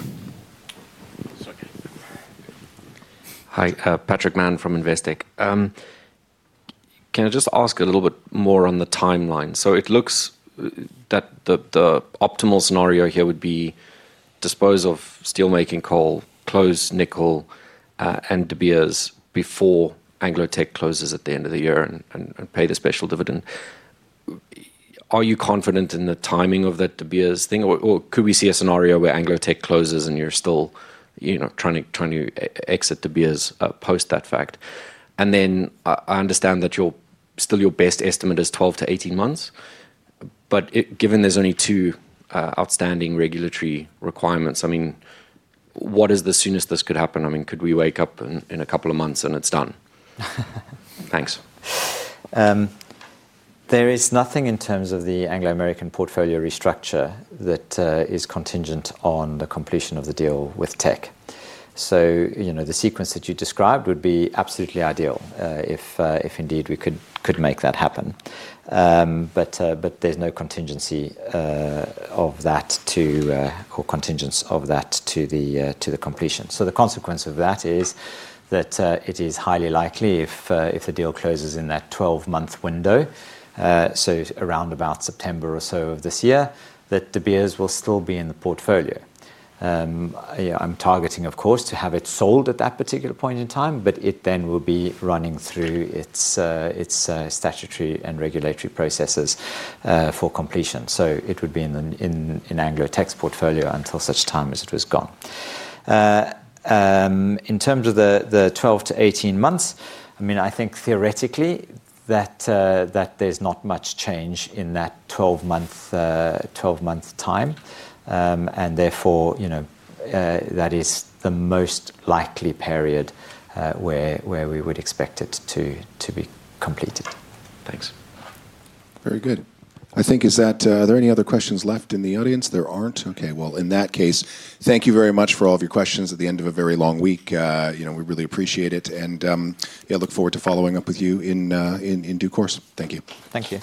Hi, Patrick Mann from Investec. Can I just ask a little bit more on the timeline? So it looks that the optimal scenario here would be dispose of steelmaking coal, close nickel, and De Beers before Anglo Teck closes at the end of the year and pay the special dividend. Are you confident in the timing of that De Beers thing, or could we see a scenario where Anglo Teck closes and you're still, you know, trying to exit De Beers post that fact? And then I understand that you're still your best estimate is 12-18 months, but given there's only two outstanding regulatory requirements, I mean, what is the soonest this could happen? I mean, could we wake up in a couple of months, and it's done? Thanks. There is nothing in terms of the Anglo American portfolio restructure that is contingent on the completion of the deal with Teck. So, you know, the sequence that you described would be absolutely ideal if indeed we could make that happen. But there's no contingency of that to or contingency of that to the completion. So the consequence of that is that it is highly likely if the deal closes in that 12-month window, so around about September or so of this year, that De Beers will still be in the portfolio. Yeah, I'm targeting, of course, to have it sold at that particular point in time, but it then will be running through its statutory and regulatory processes for completion. So it would be in the Anglo Teck's portfolio until such time as it was gone. In terms of the 12-18 months, I mean, I think theoretically that there's not much change in that 12-month time. And therefore, you know, that is the most likely period where we would expect it to be completed. Thanks. Very good. I think that's it. Are there any other questions left in the audience? There aren't. Okay, well, in that case, thank you very much for all of your questions at the end of a very long week. You know, we really appreciate it, and yeah, look forward to following up with you in due course. Thank you. Thank you.